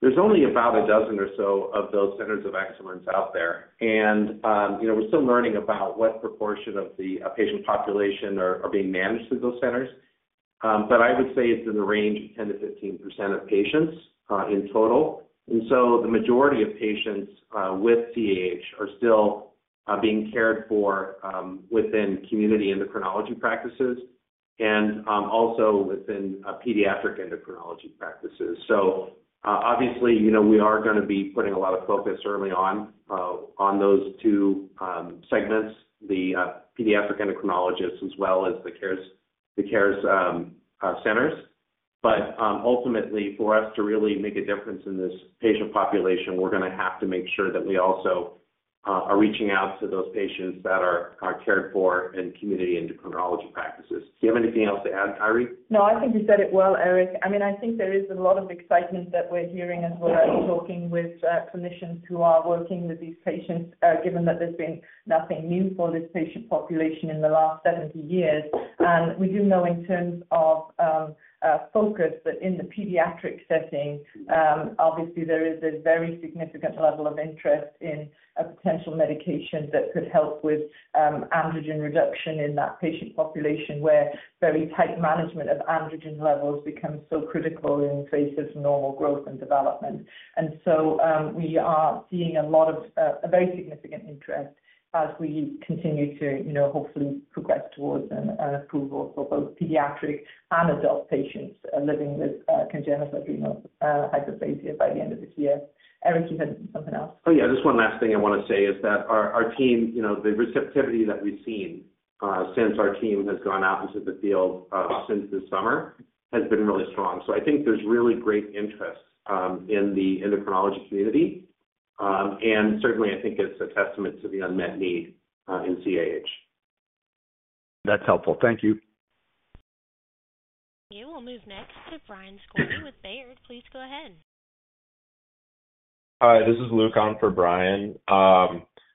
there's only about a dozen or so of those Centers of Excellence out there. We're still learning about what proportion of the patient population are being managed through those centers. I would say it's in the range of 10%-15% of patients in total. The majority of patients with CAH are still being cared for within community endocrinology practices and also within pediatric endocrinology practices. Obviously, we are going to be putting a lot of focus early on on those two segments, the pediatric endocrinologists as well as the CARES centers. Ultimately, for us to really make a difference in this patient population, we're going to have to make sure that we also are reaching out to those patients that are cared for in community endocrinology practices. Do you have anything else to add, Eiry? No, I think you said it well, Eric. I mean, I think there is a lot of excitement that we're hearing as we're talking with clinicians who are working with these patients, given that there's been nothing new for this patient population in the last 70 years. And we do know in terms of focus that in the pediatric setting, obviously, there is a very significant level of interest in a potential medication that could help with androgen reduction in that patient population where very tight management of androgen levels becomes so critical in the face of normal growth and development. And so we are seeing a lot of very significant interest as we continue to hopefully progress towards an approval for both pediatric and adult patients living with congenital adrenal hyperplasia by the end of this year. Eric, you had something else. Oh, yeah. Just one last thing I want to say is that our team, the receptivity that we've seen since our team has gone out into the field since this summer has been really strong. So I think there's really great interest in the endocrinology community. And certainly, I think it's a testament to the unmet need in CAH. That's helpful. Thank you. Thank you. We'll move next to Brian Skorney with Baird. Please go ahead. Hi. This is Luke on for Brian.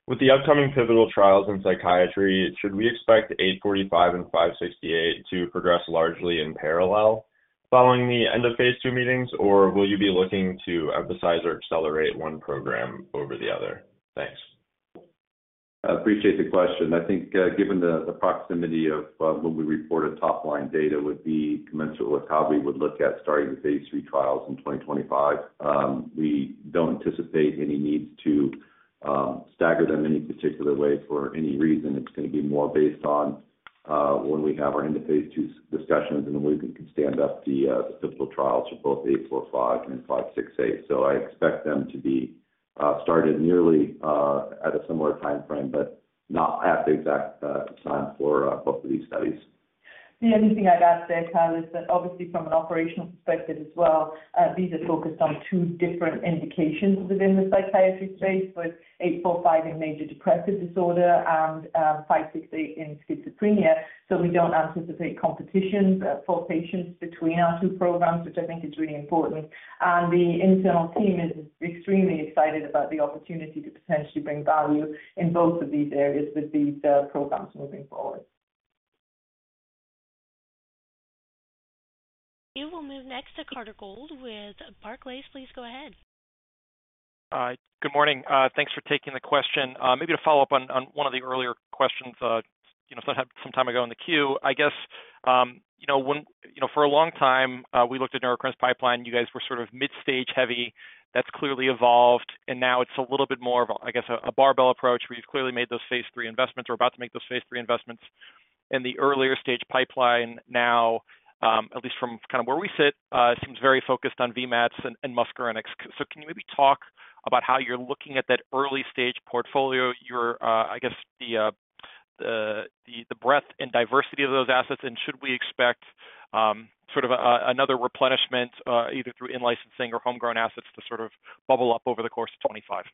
With the upcoming pivotal trials in psychiatry, should we expect 845 and 568 to progress largely in parallel following the end of phase 2 meetings, or will you be looking to emphasize or accelerate one program over the other? Thanks. I appreciate the question. I think given the proximity of what we reported top-line data would be commensurate with how we would look at starting the phase three trials in 2025. We don't anticipate any needs to stagger them in any particular way for any reason. It's going to be more based on when we have our end of phase two discussions and when we can stand up the pivotal trials for both 845 and 568. So I expect them to be started nearly at a similar timeframe, but not at the exact time for both of these studies. The only thing I'd add there, Kyle, is that obviously from an operational perspective as well, these are focused on two different indications within the psychiatry space, with 845 in major depressive disorder and 568 in schizophrenia. So we don't anticipate competition for patients between our two programs, which I think is really important. And the internal team is extremely excited about the opportunity to potentially bring value in both of these areas with these programs moving forward. Thank you. We'll move next to Carter Gould with Barclays. Please go ahead. Hi. Good morning. Thanks for taking the question. Maybe to follow up on one of the earlier questions some time ago in the queue. I guess for a long time, we looked at Neurocrine pipeline. You guys were sort of mid-stage heavy. That's clearly evolved. And now it's a little bit more of, I guess, a barbell approach where you've clearly made those phase three investments. We're about to make those phase three investments. And the earlier stage pipeline now, at least from kind of where we sit, seems very focused on VMATs and muscarinics. So can you maybe talk about how you're looking at that early stage portfolio, I guess, the breadth and diversity of those assets? And should we expect sort of another replenishment either through in-licensing or homegrown assets to sort of bubble up over the course of 2025?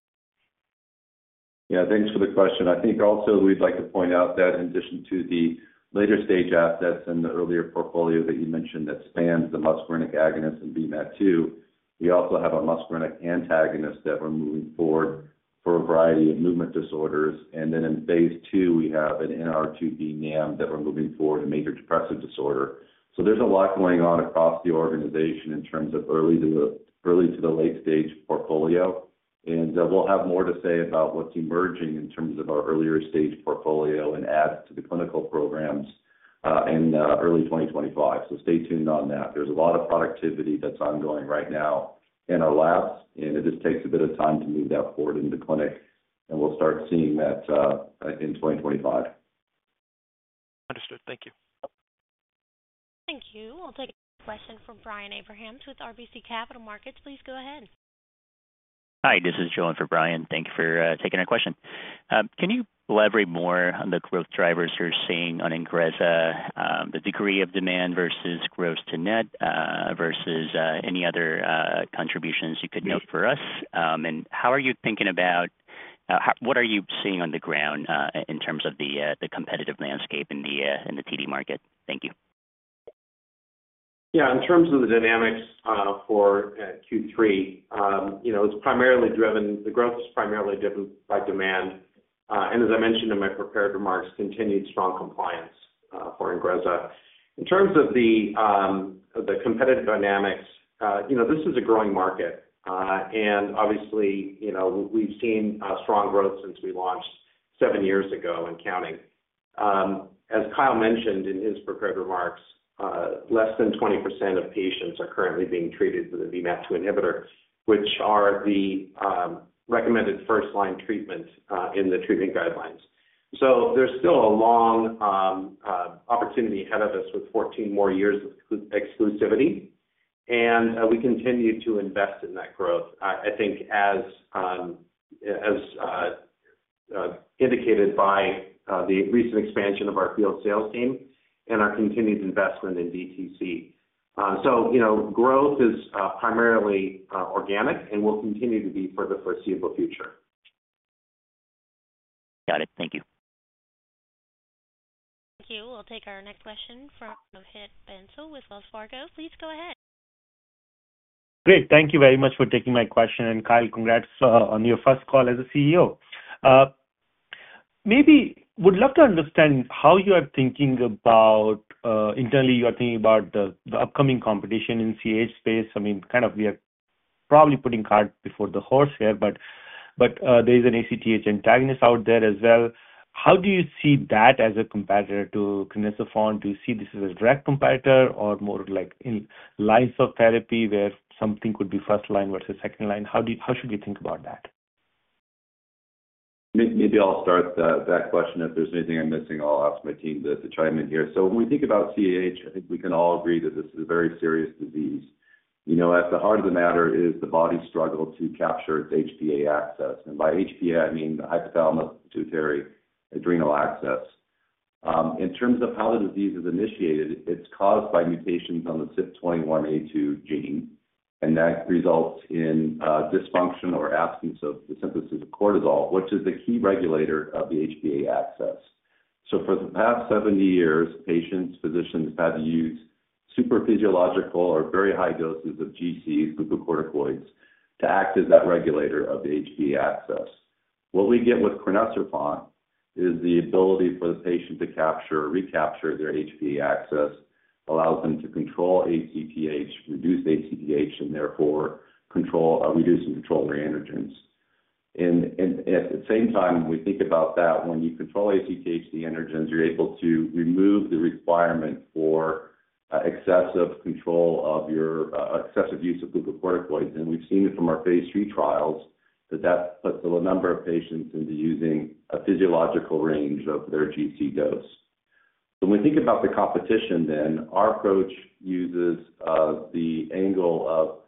Yeah. Thanks for the question. I think also we'd like to point out that in addition to the later stage assets and the earlier portfolio that you mentioned that spanned the muscarinic agonist and VMAT2, we also have a muscarinic antagonist that we're moving forward for a variety of movement disorders. And then in phase 2, we have an NR2B NAM that we're moving forward, a major depressive disorder. So there's a lot going on across the organization in terms of early to the late stage portfolio. And we'll have more to say about what's emerging in terms of our earlier stage portfolio and adds to the clinical programs in early 2025. So stay tuned on that. There's a lot of productivity that's ongoing right now in our labs. And it just takes a bit of time to move that forward into clinic. And we'll start seeing that in 2025. Understood. Thank you. Thank you. We'll take a question from Brian Abrahams with RBC Capital Markets. Please go ahead. Hi. This is John for Brian. Thank you for taking our question. Can you elaborate more on the growth drivers you're seeing on INGREZZA, the degree of demand versus gross to net versus any other contributions you could note for us? And how are you thinking about what are you seeing on the ground in terms of the competitive landscape in the TD market? Thank you. Yeah. In terms of the dynamics for Q3, it's primarily driven. The growth is primarily driven by demand. And as I mentioned in my prepared remarks, continued strong compliance for INGREZZA. In terms of the competitive dynamics, this is a growing market. And obviously, we've seen strong growth since we launched seven years ago and counting. As Kyle mentioned in his prepared remarks, less than 20% of patients are currently being treated with a VMAT2 inhibitor, which are the recommended first-line treatment in the treatment guidelines. So there's still a long opportunity ahead of us with 14 more years of exclusivity. And we continue to invest in that growth, I think, as indicated by the recent expansion of our field sales team and our continued investment in DTC. So growth is primarily organic and will continue to be for the foreseeable future. Got it. Thank you. Thank you. We'll take our next question from Mohit Bansal with Wells Fargo. Please go ahead. Great. Thank you very much for taking my question. And Kyle, congrats on your first call as a CEO. Maybe we would love to understand how you are thinking about internally, you are thinking about the upcoming competition in CAH space. I mean, kind of we are probably putting cards before the horse here, but there is an ACTH antagonist out there as well. How do you see that as a competitor to crinecerfont? Do you see this as a direct competitor or more like lines of therapy where something could be first-line versus second-line? How should we think about that? Maybe I'll start that question. If there's anything I'm missing, I'll ask my team to chime in here, so when we think about CAH, I think we can all agree that this is a very serious disease. At the heart of the matter is the body's struggle to capture its HPA axis, and by HPA, I mean the hypothalamus pituitary adrenal axis. In terms of how the disease is initiated, it's caused by mutations on the CYP21A2 gene, and that results in dysfunction or absence of the synthesis of cortisol, which is the key regulator of the HPA axis, so for the past 70 years, patients, physicians have used supraphysiological or very high doses of GCs, glucocorticoids, to act as that regulator of the HPA axis. What we get with crinecerfont is the ability for the patient to capture or recapture their HPA axis, allows them to control ACTH, reduce ACTH, and therefore reduce and control their androgens. And at the same time, when we think about that, when you control ACTH, the androgens, you're able to remove the requirement for excessive use of glucocorticoids. And we've seen it from our phase three trials that that puts a number of patients into using a physiological range of their GC dose. When we think about the competition, then our approach uses the angle of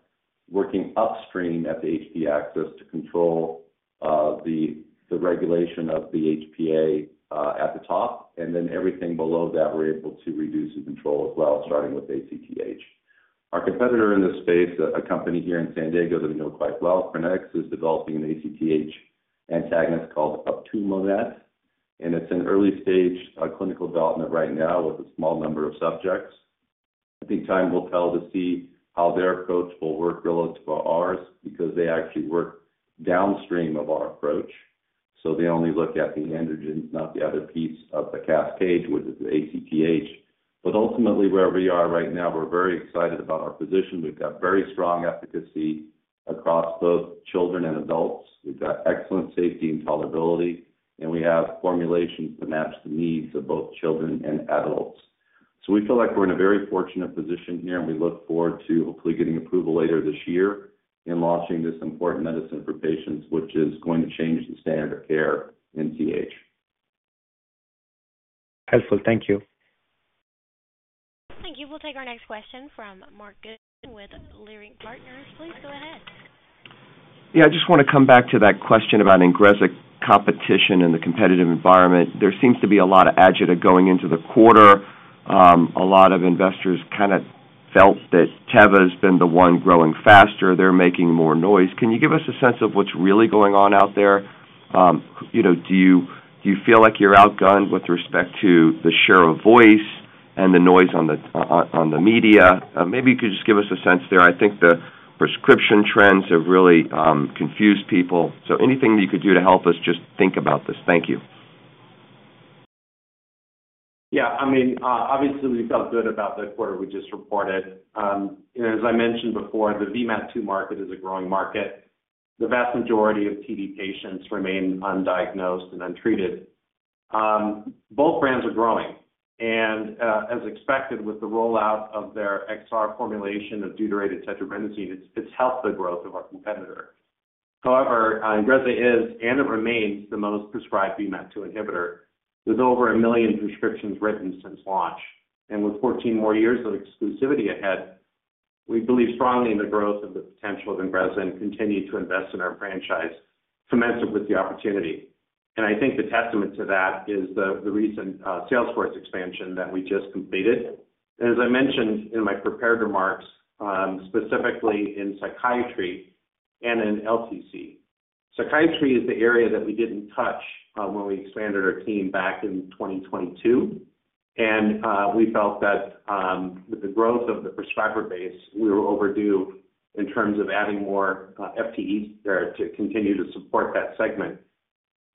working upstream at the HPA axis to control the regulation of the HPA at the top. And then everything below that, we're able to reduce and control as well, starting with ACTH. Our competitor in this space, a company here in San Diego that we know quite well, Crinetics, is developing an ACTH antagonist called atumelnant. And it's an early stage clinical development right now with a small number of subjects. I think time will tell to see how their approach will work relative to ours because they actually work downstream of our approach. So they only look at the androgens, not the other piece of the cascade with the ACTH. But ultimately, where we are right now, we're very excited about our position. We've got very strong efficacy across both children and adults. We've got excellent safety and tolerability. And we have formulations that match the needs of both children and adults. So we feel like we're in a very fortunate position here. We look forward to hopefully getting approval later this year in launching this important medicine for patients, which is going to change the standard of care in CAH. Helpful. Thank you. Thank you. We'll take our next question from Marc Goodman with Leerink Partners. Please go ahead. Yeah. I just want to come back to that question about INGREZZA competition and the competitive environment. There seems to be a lot of agita going into the quarter. A lot of investors kind of felt that Teva has been the one growing faster. They're making more noise. Can you give us a sense of what's really going on out there? Do you feel like you're outgunned with respect to the share of voice and the noise on the media? Maybe you could just give us a sense there. I think the prescription trends have really confused people. So anything you could do to help us just think about this? Thank you. Yeah. I mean, obviously, we felt good about the quarter we just reported. As I mentioned before, the VMAT2 market is a growing market. The vast majority of TD patients remain undiagnosed and untreated. Both brands are growing. And as expected, with the rollout of their XR formulation of deuterated tetrabenazine, it's helped the growth of our competitor. However, INGREZZA is and it remains the most prescribed VMAT2 inhibitor with over a million prescriptions written since launch. And with 14 more years of exclusivity ahead, we believe strongly in the growth of the potential of INGREZZA and continue to invest in our franchise commensurate with the opportunity. And I think the testament to that is the recent sales force expansion that we just completed. And as I mentioned in my prepared remarks, specifically in psychiatry and in LTC. Psychiatry is the area that we didn't touch when we expanded our team back in 2022, and we felt that with the growth of the prescriber base, we were overdue in terms of adding more FTEs there to continue to support that segment.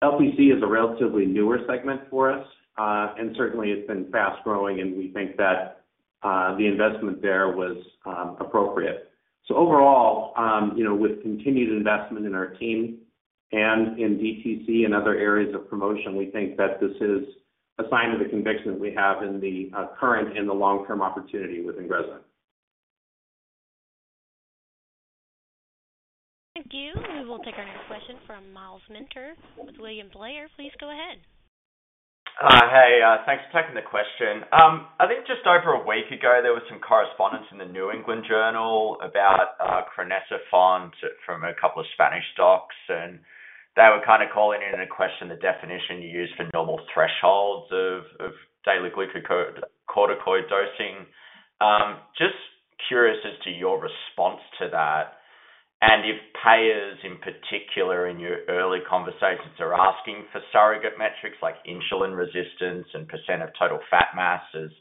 LTC is a relatively newer segment for us, and certainly, it's been fast growing, and we think that the investment there was appropriate, so overall, with continued investment in our team and in DTC and other areas of promotion, we think that this is a sign of the conviction we have in the current and the long-term opportunity with INGREZZA. Thank you. We will take our next question from Myles Minter with William Blair. Please go ahead. Hi. Thanks for taking the question. I think just over a week ago, there was some correspondence in the New England Journal of Medicine about crinecerfont from a couple of Spanish docs, and they were kind of calling into question the definition you use for normal thresholds of daily glucocorticoid dosing. Just curious as to your response to that, and if payers, in particular, in your early conversations are asking for surrogate metrics like insulin resistance and percent of total fat mass as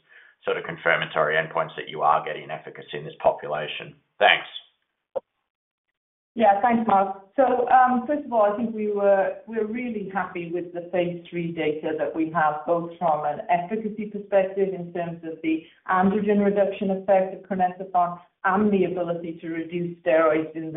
sort of confirmatory endpoints that you are getting efficacy in this population. Thanks. Yeah. Thanks, Mark. So first of all, I think we're really happy with the phase 3 data that we have both from an efficacy perspective in terms of the androgen reduction effect of crinecerfont and the ability to reduce steroids in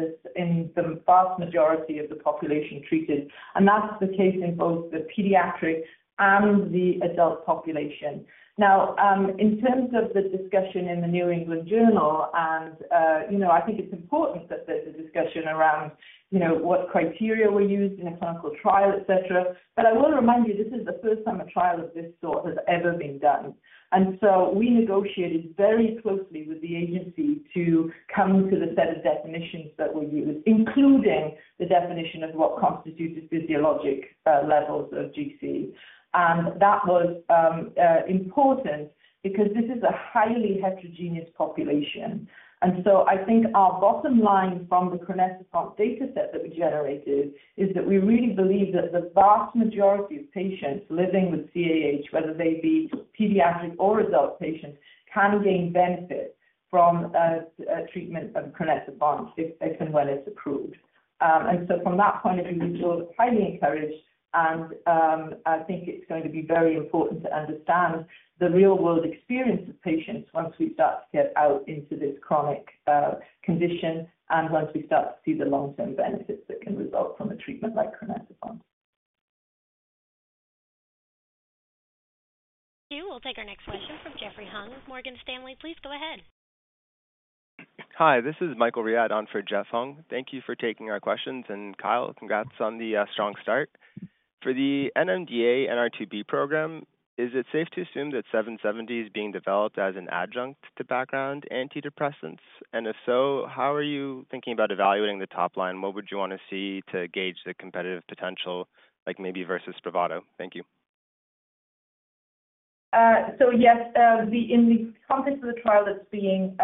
the vast majority of the population treated. And that's the case in both the pediatric and the adult population. Now, in terms of the discussion in the New England Journal of Medicine, I think it's important that there's a discussion around what criteria were used in a clinical trial, etc. But I will remind you, this is the first time a trial of this sort has ever been done. And so we negotiated very closely with the agency to come to the set of definitions that were used, including the definition of what constitutes physiologic levels of GC. And that was important because this is a highly heterogeneous population. And so I think our bottom line from the crinecerfont data set that we generated is that we really believe that the vast majority of patients living with CAH, whether they be pediatric or adult patients, can gain benefit from treatment of crinecerfont if and when it's approved. And so from that point of view, we feel highly encouraged. And I think it's going to be very important to understand the real-world experience of patients once we start to get out into this chronic condition and once we start to see the long-term benefits that can result from a treatment like crinecerfont. Thank you. We'll take our next question from Jeff Hung with Morgan Stanley. Please go ahead. Hi. This is Michael Riad on for Jeff Hung. Thank you for taking our questions. And Kyle, congrats on the strong start. For the NMDA NR2B program, is it safe to assume that 770 is being developed as an adjunct to background antidepressants? And if so, how are you thinking about evaluating the top line? What would you want to see to gauge the competitive potential, like maybe versus SPRAVATO? Thank you. Yes, in the context of the trial that's being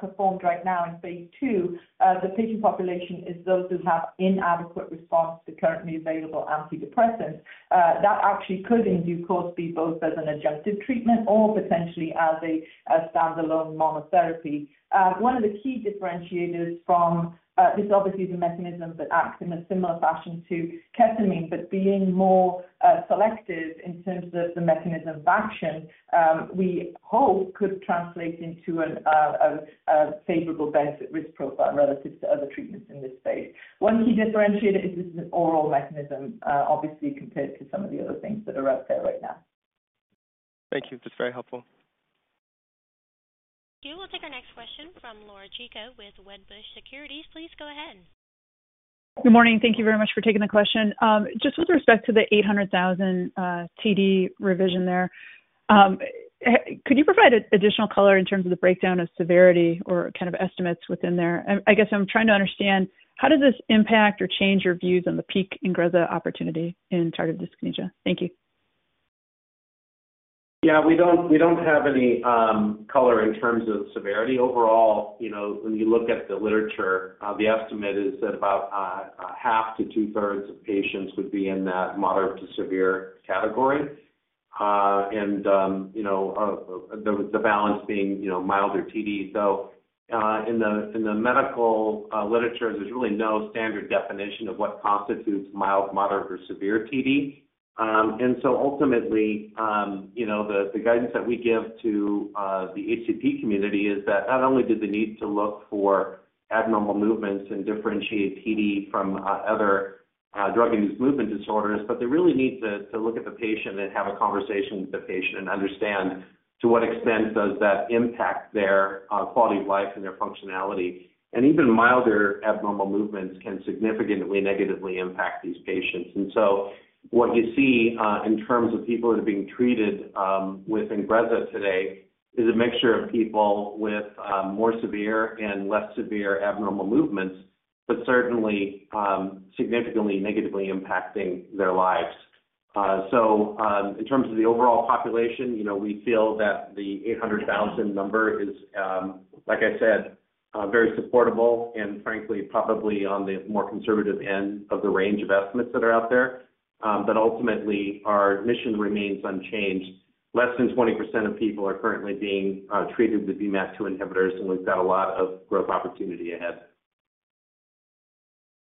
performed right now in phase two, the patient population is those who have inadequate response to currently available antidepressants. That actually could, in due course, be both as an adjunctive treatment or potentially as a standalone monotherapy. One of the key differentiators from this obviously is a mechanism that acts in a similar fashion to ketamine, but being more selective in terms of the mechanism of action, we hope could translate into a favorable benefit risk profile relative to other treatments in this space. One key differentiator is this is an oral mechanism, obviously, compared to some of the other things that are out there right now. Thank you. That's very helpful. Thank you. We'll take our next question from Laura Chico with Wedbush Securities. Please go ahead. Good morning. Thank you very much for taking the question. Just with respect to the 800,000 TD revision there, could you provide additional color in terms of the breakdown of severity or kind of estimates within there? I guess I'm trying to understand how does this impact or change your views on the peak INGREZZA opportunity in tardive dyskinesia? Thank you. Yeah. We don't have any color in terms of severity. Overall, when you look at the literature, the estimate is that about half to two-thirds of patients would be in that moderate to severe category. And the balance being milder TD. So in the medical literature, there's really no standard definition of what constitutes mild, moderate, or severe TD. And so ultimately, the guidance that we give to the HCP community is that not only do they need to look for abnormal movements and differentiate TD from other drug-induced movement disorders, but they really need to look at the patient and have a conversation with the patient and understand to what extent does that impact their quality of life and their functionality. And even milder abnormal movements can significantly negatively impact these patients. What you see in terms of people that are being treated with INGREZZA today is a mixture of people with more severe and less severe abnormal movements, but certainly significantly negatively impacting their lives. So in terms of the overall population, we feel that the 800,000 number is, like I said, very supportable and frankly, probably on the more conservative end of the range of estimates that are out there. But ultimately, our mission remains unchanged. Less than 20% of people are currently being treated with VMAT2 inhibitors. And we've got a lot of growth opportunity ahead.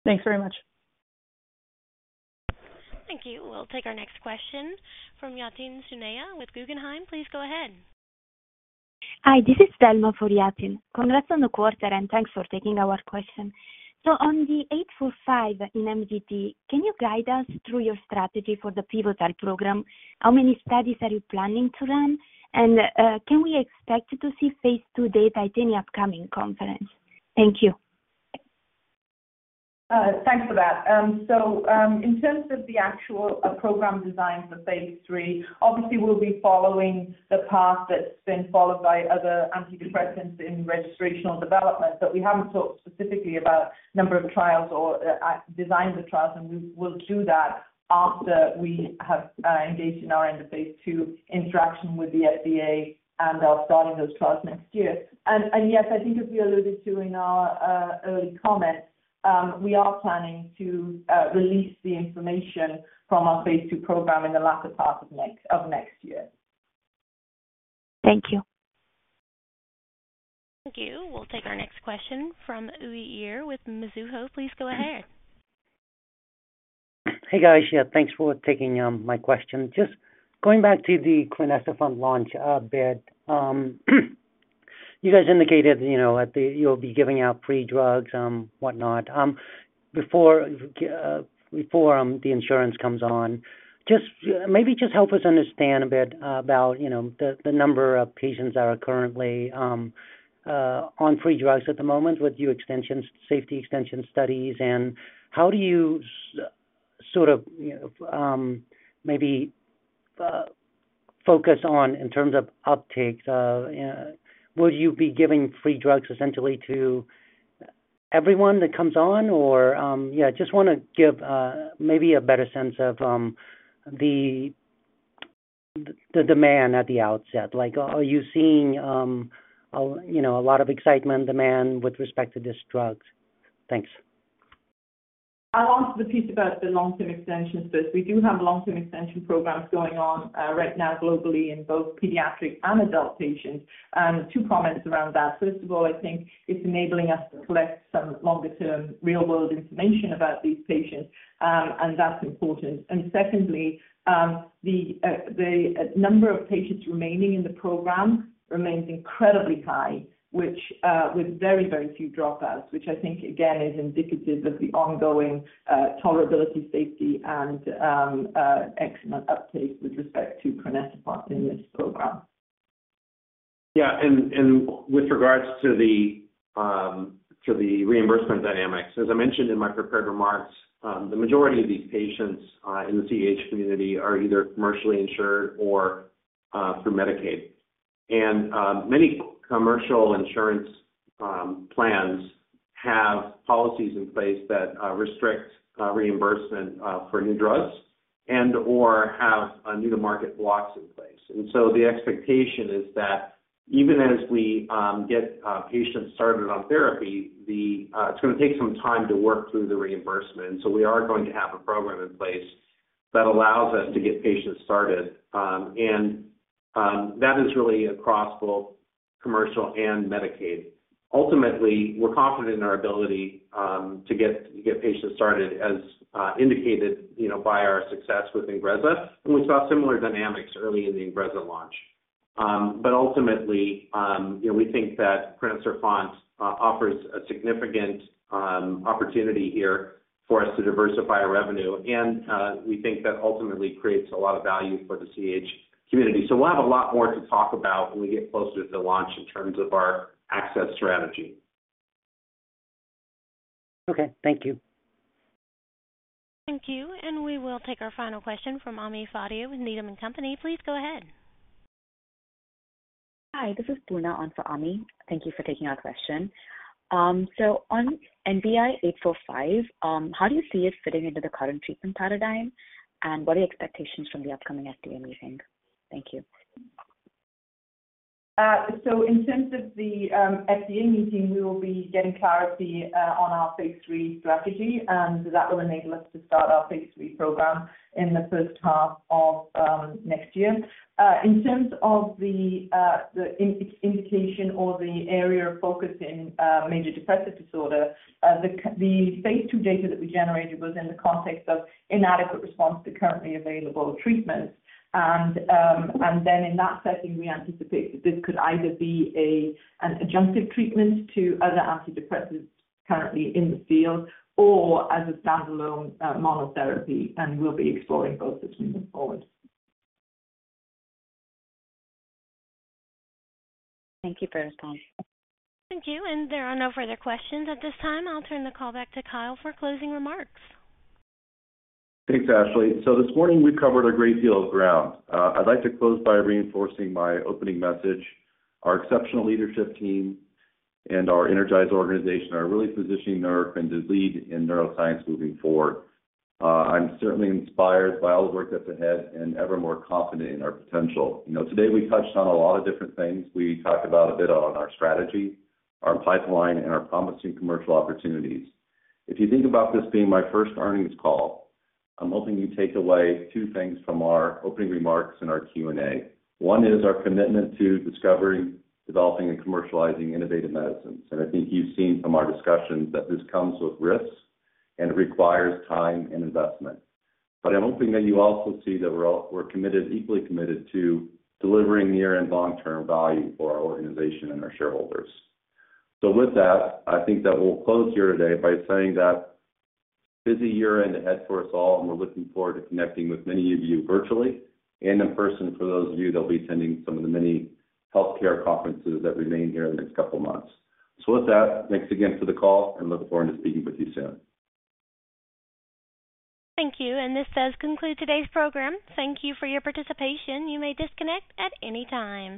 Thanks very much. Thank you. We'll take our next question from Yatin Suneja with Guggenheim. Please go ahead. Hi. This is Dalma for Yatin. Congrats on the quarter and thanks for taking our question. So on the 845 in MDD, can you guide us through your strategy for the pivotal program? How many studies are you planning to run? And can we expect to see phase 2 data at any upcoming conference? Thank you. Thanks for that. So in terms of the actual program design for phase 3, obviously, we'll be following the path that's been followed by other antidepressants in registrational development. But we haven't talked specifically about the number of trials or design of the trials. And we'll do that after we have engaged in our end-of-phase 2 interaction with the FDA and are starting those trials next year. And yes, I think as we alluded to in our early comments, we are planning to release the information from our phase 2 program in the latter part of next year. Thank you. Thank you. We'll take our next question from Uy Ear with Mizuho. Please go ahead. Hey, guys. Yeah. Thanks for taking my question. Just going back to the crinecerfont launch bit, you guys indicated that you'll be giving out free drugs, whatnot, before the insurance comes on. Maybe just help us understand a bit about the number of patients that are currently on free drugs at the moment with your safety extension studies. And how do you sort of maybe focus on in terms of uptake? Would you be giving free drugs essentially to everyone that comes on? Or yeah, just want to give maybe a better sense of the demand at the outset. Are you seeing a lot of excitement, demand with respect to this drug? Thanks. I'll answer the piece about the long-term extension first. We do have long-term extension programs going on right now globally in both pediatric and adult patients. And two comments around that. First of all, I think it's enabling us to collect some longer-term real-world information about these patients. And that's important. And secondly, the number of patients remaining in the program remains incredibly high with very, very few dropouts, which I think, again, is indicative of the ongoing tolerability, safety, and excellent uptake with respect to crinecerfont in this program. Yeah. And with regards to the reimbursement dynamics, as I mentioned in my prepared remarks, the majority of these patients in the CAH community are either commercially insured or through Medicaid. And many commercial insurance plans have policies in place that restrict reimbursement for new drugs and/or have new-to-market blocks in place. And so the expectation is that even as we get patients started on therapy, it's going to take some time to work through the reimbursement. And so we are going to have a program in place that allows us to get patients started. And that is really across both commercial and Medicaid. Ultimately, we're confident in our ability to get patients started as indicated by our success with INGREZZA. And we saw similar dynamics early in the INGREZZA launch. But ultimately, we think that crinecerfont offers a significant opportunity here for us to diversify our revenue. We think that ultimately creates a lot of value for the CAH community. We'll have a lot more to talk about when we get closer to launch in terms of our access strategy. Okay. Thank you. Thank you. And we will take our final question from Amy Fadio with Needham & Company. Please go ahead. Hi. This is Duna on for Amy. Thank you for taking our question. So on NBI-845, how do you see it fitting into the current treatment paradigm? And what are your expectations from the upcoming FDA meeting? Thank you. In terms of the FDA meeting, we will be getting clarity on our phase three strategy. That will enable us to start our phase three program in the first half of next year. In terms of the indication or the area of focus in major depressive disorder, the phase two data that we generated was in the context of inadequate response to currently available treatments. In that setting, we anticipate that this could either be an adjunctive treatment to other antidepressants currently in the field or as a standalone monotherapy. We'll be exploring both as we move forward. Thank you for your response. Thank you, and there are no further questions at this time. I'll turn the call back to Kyle for closing remarks. Thanks, Ashley. So this morning, we've covered a great deal of ground. I'd like to close by reinforcing my opening message. Our exceptional leadership team and our energized organization are really positioning Neurocrine as the leader in neuroscience moving forward. I'm certainly inspired by all the work that's ahead and ever more confident in our potential. Today, we touched on a lot of different things. We talked about a bit on our strategy, our pipeline, and our promising commercial opportunities. If you think about this being my first earnings call, I'm hoping you take away two things from our opening remarks and our Q&A. One is our commitment to discovering, developing, and commercializing innovative medicines. I think you've seen from our discussions that this comes with risks and it requires time and investment. But I'm hoping that you also see that we're equally committed to delivering near and long-term value for our organization and our shareholders. So with that, I think that we'll close here today by saying that it's a busy year ahead for us all. And we're looking forward to connecting with many of you virtually and in person for those of you that will be attending some of the many healthcare conferences that remain here in the next couple of months. So with that, thanks again for the call. And looking forward to speaking with you soon. Thank you. And this does conclude today's program. Thank you for your participation. You may disconnect at any time.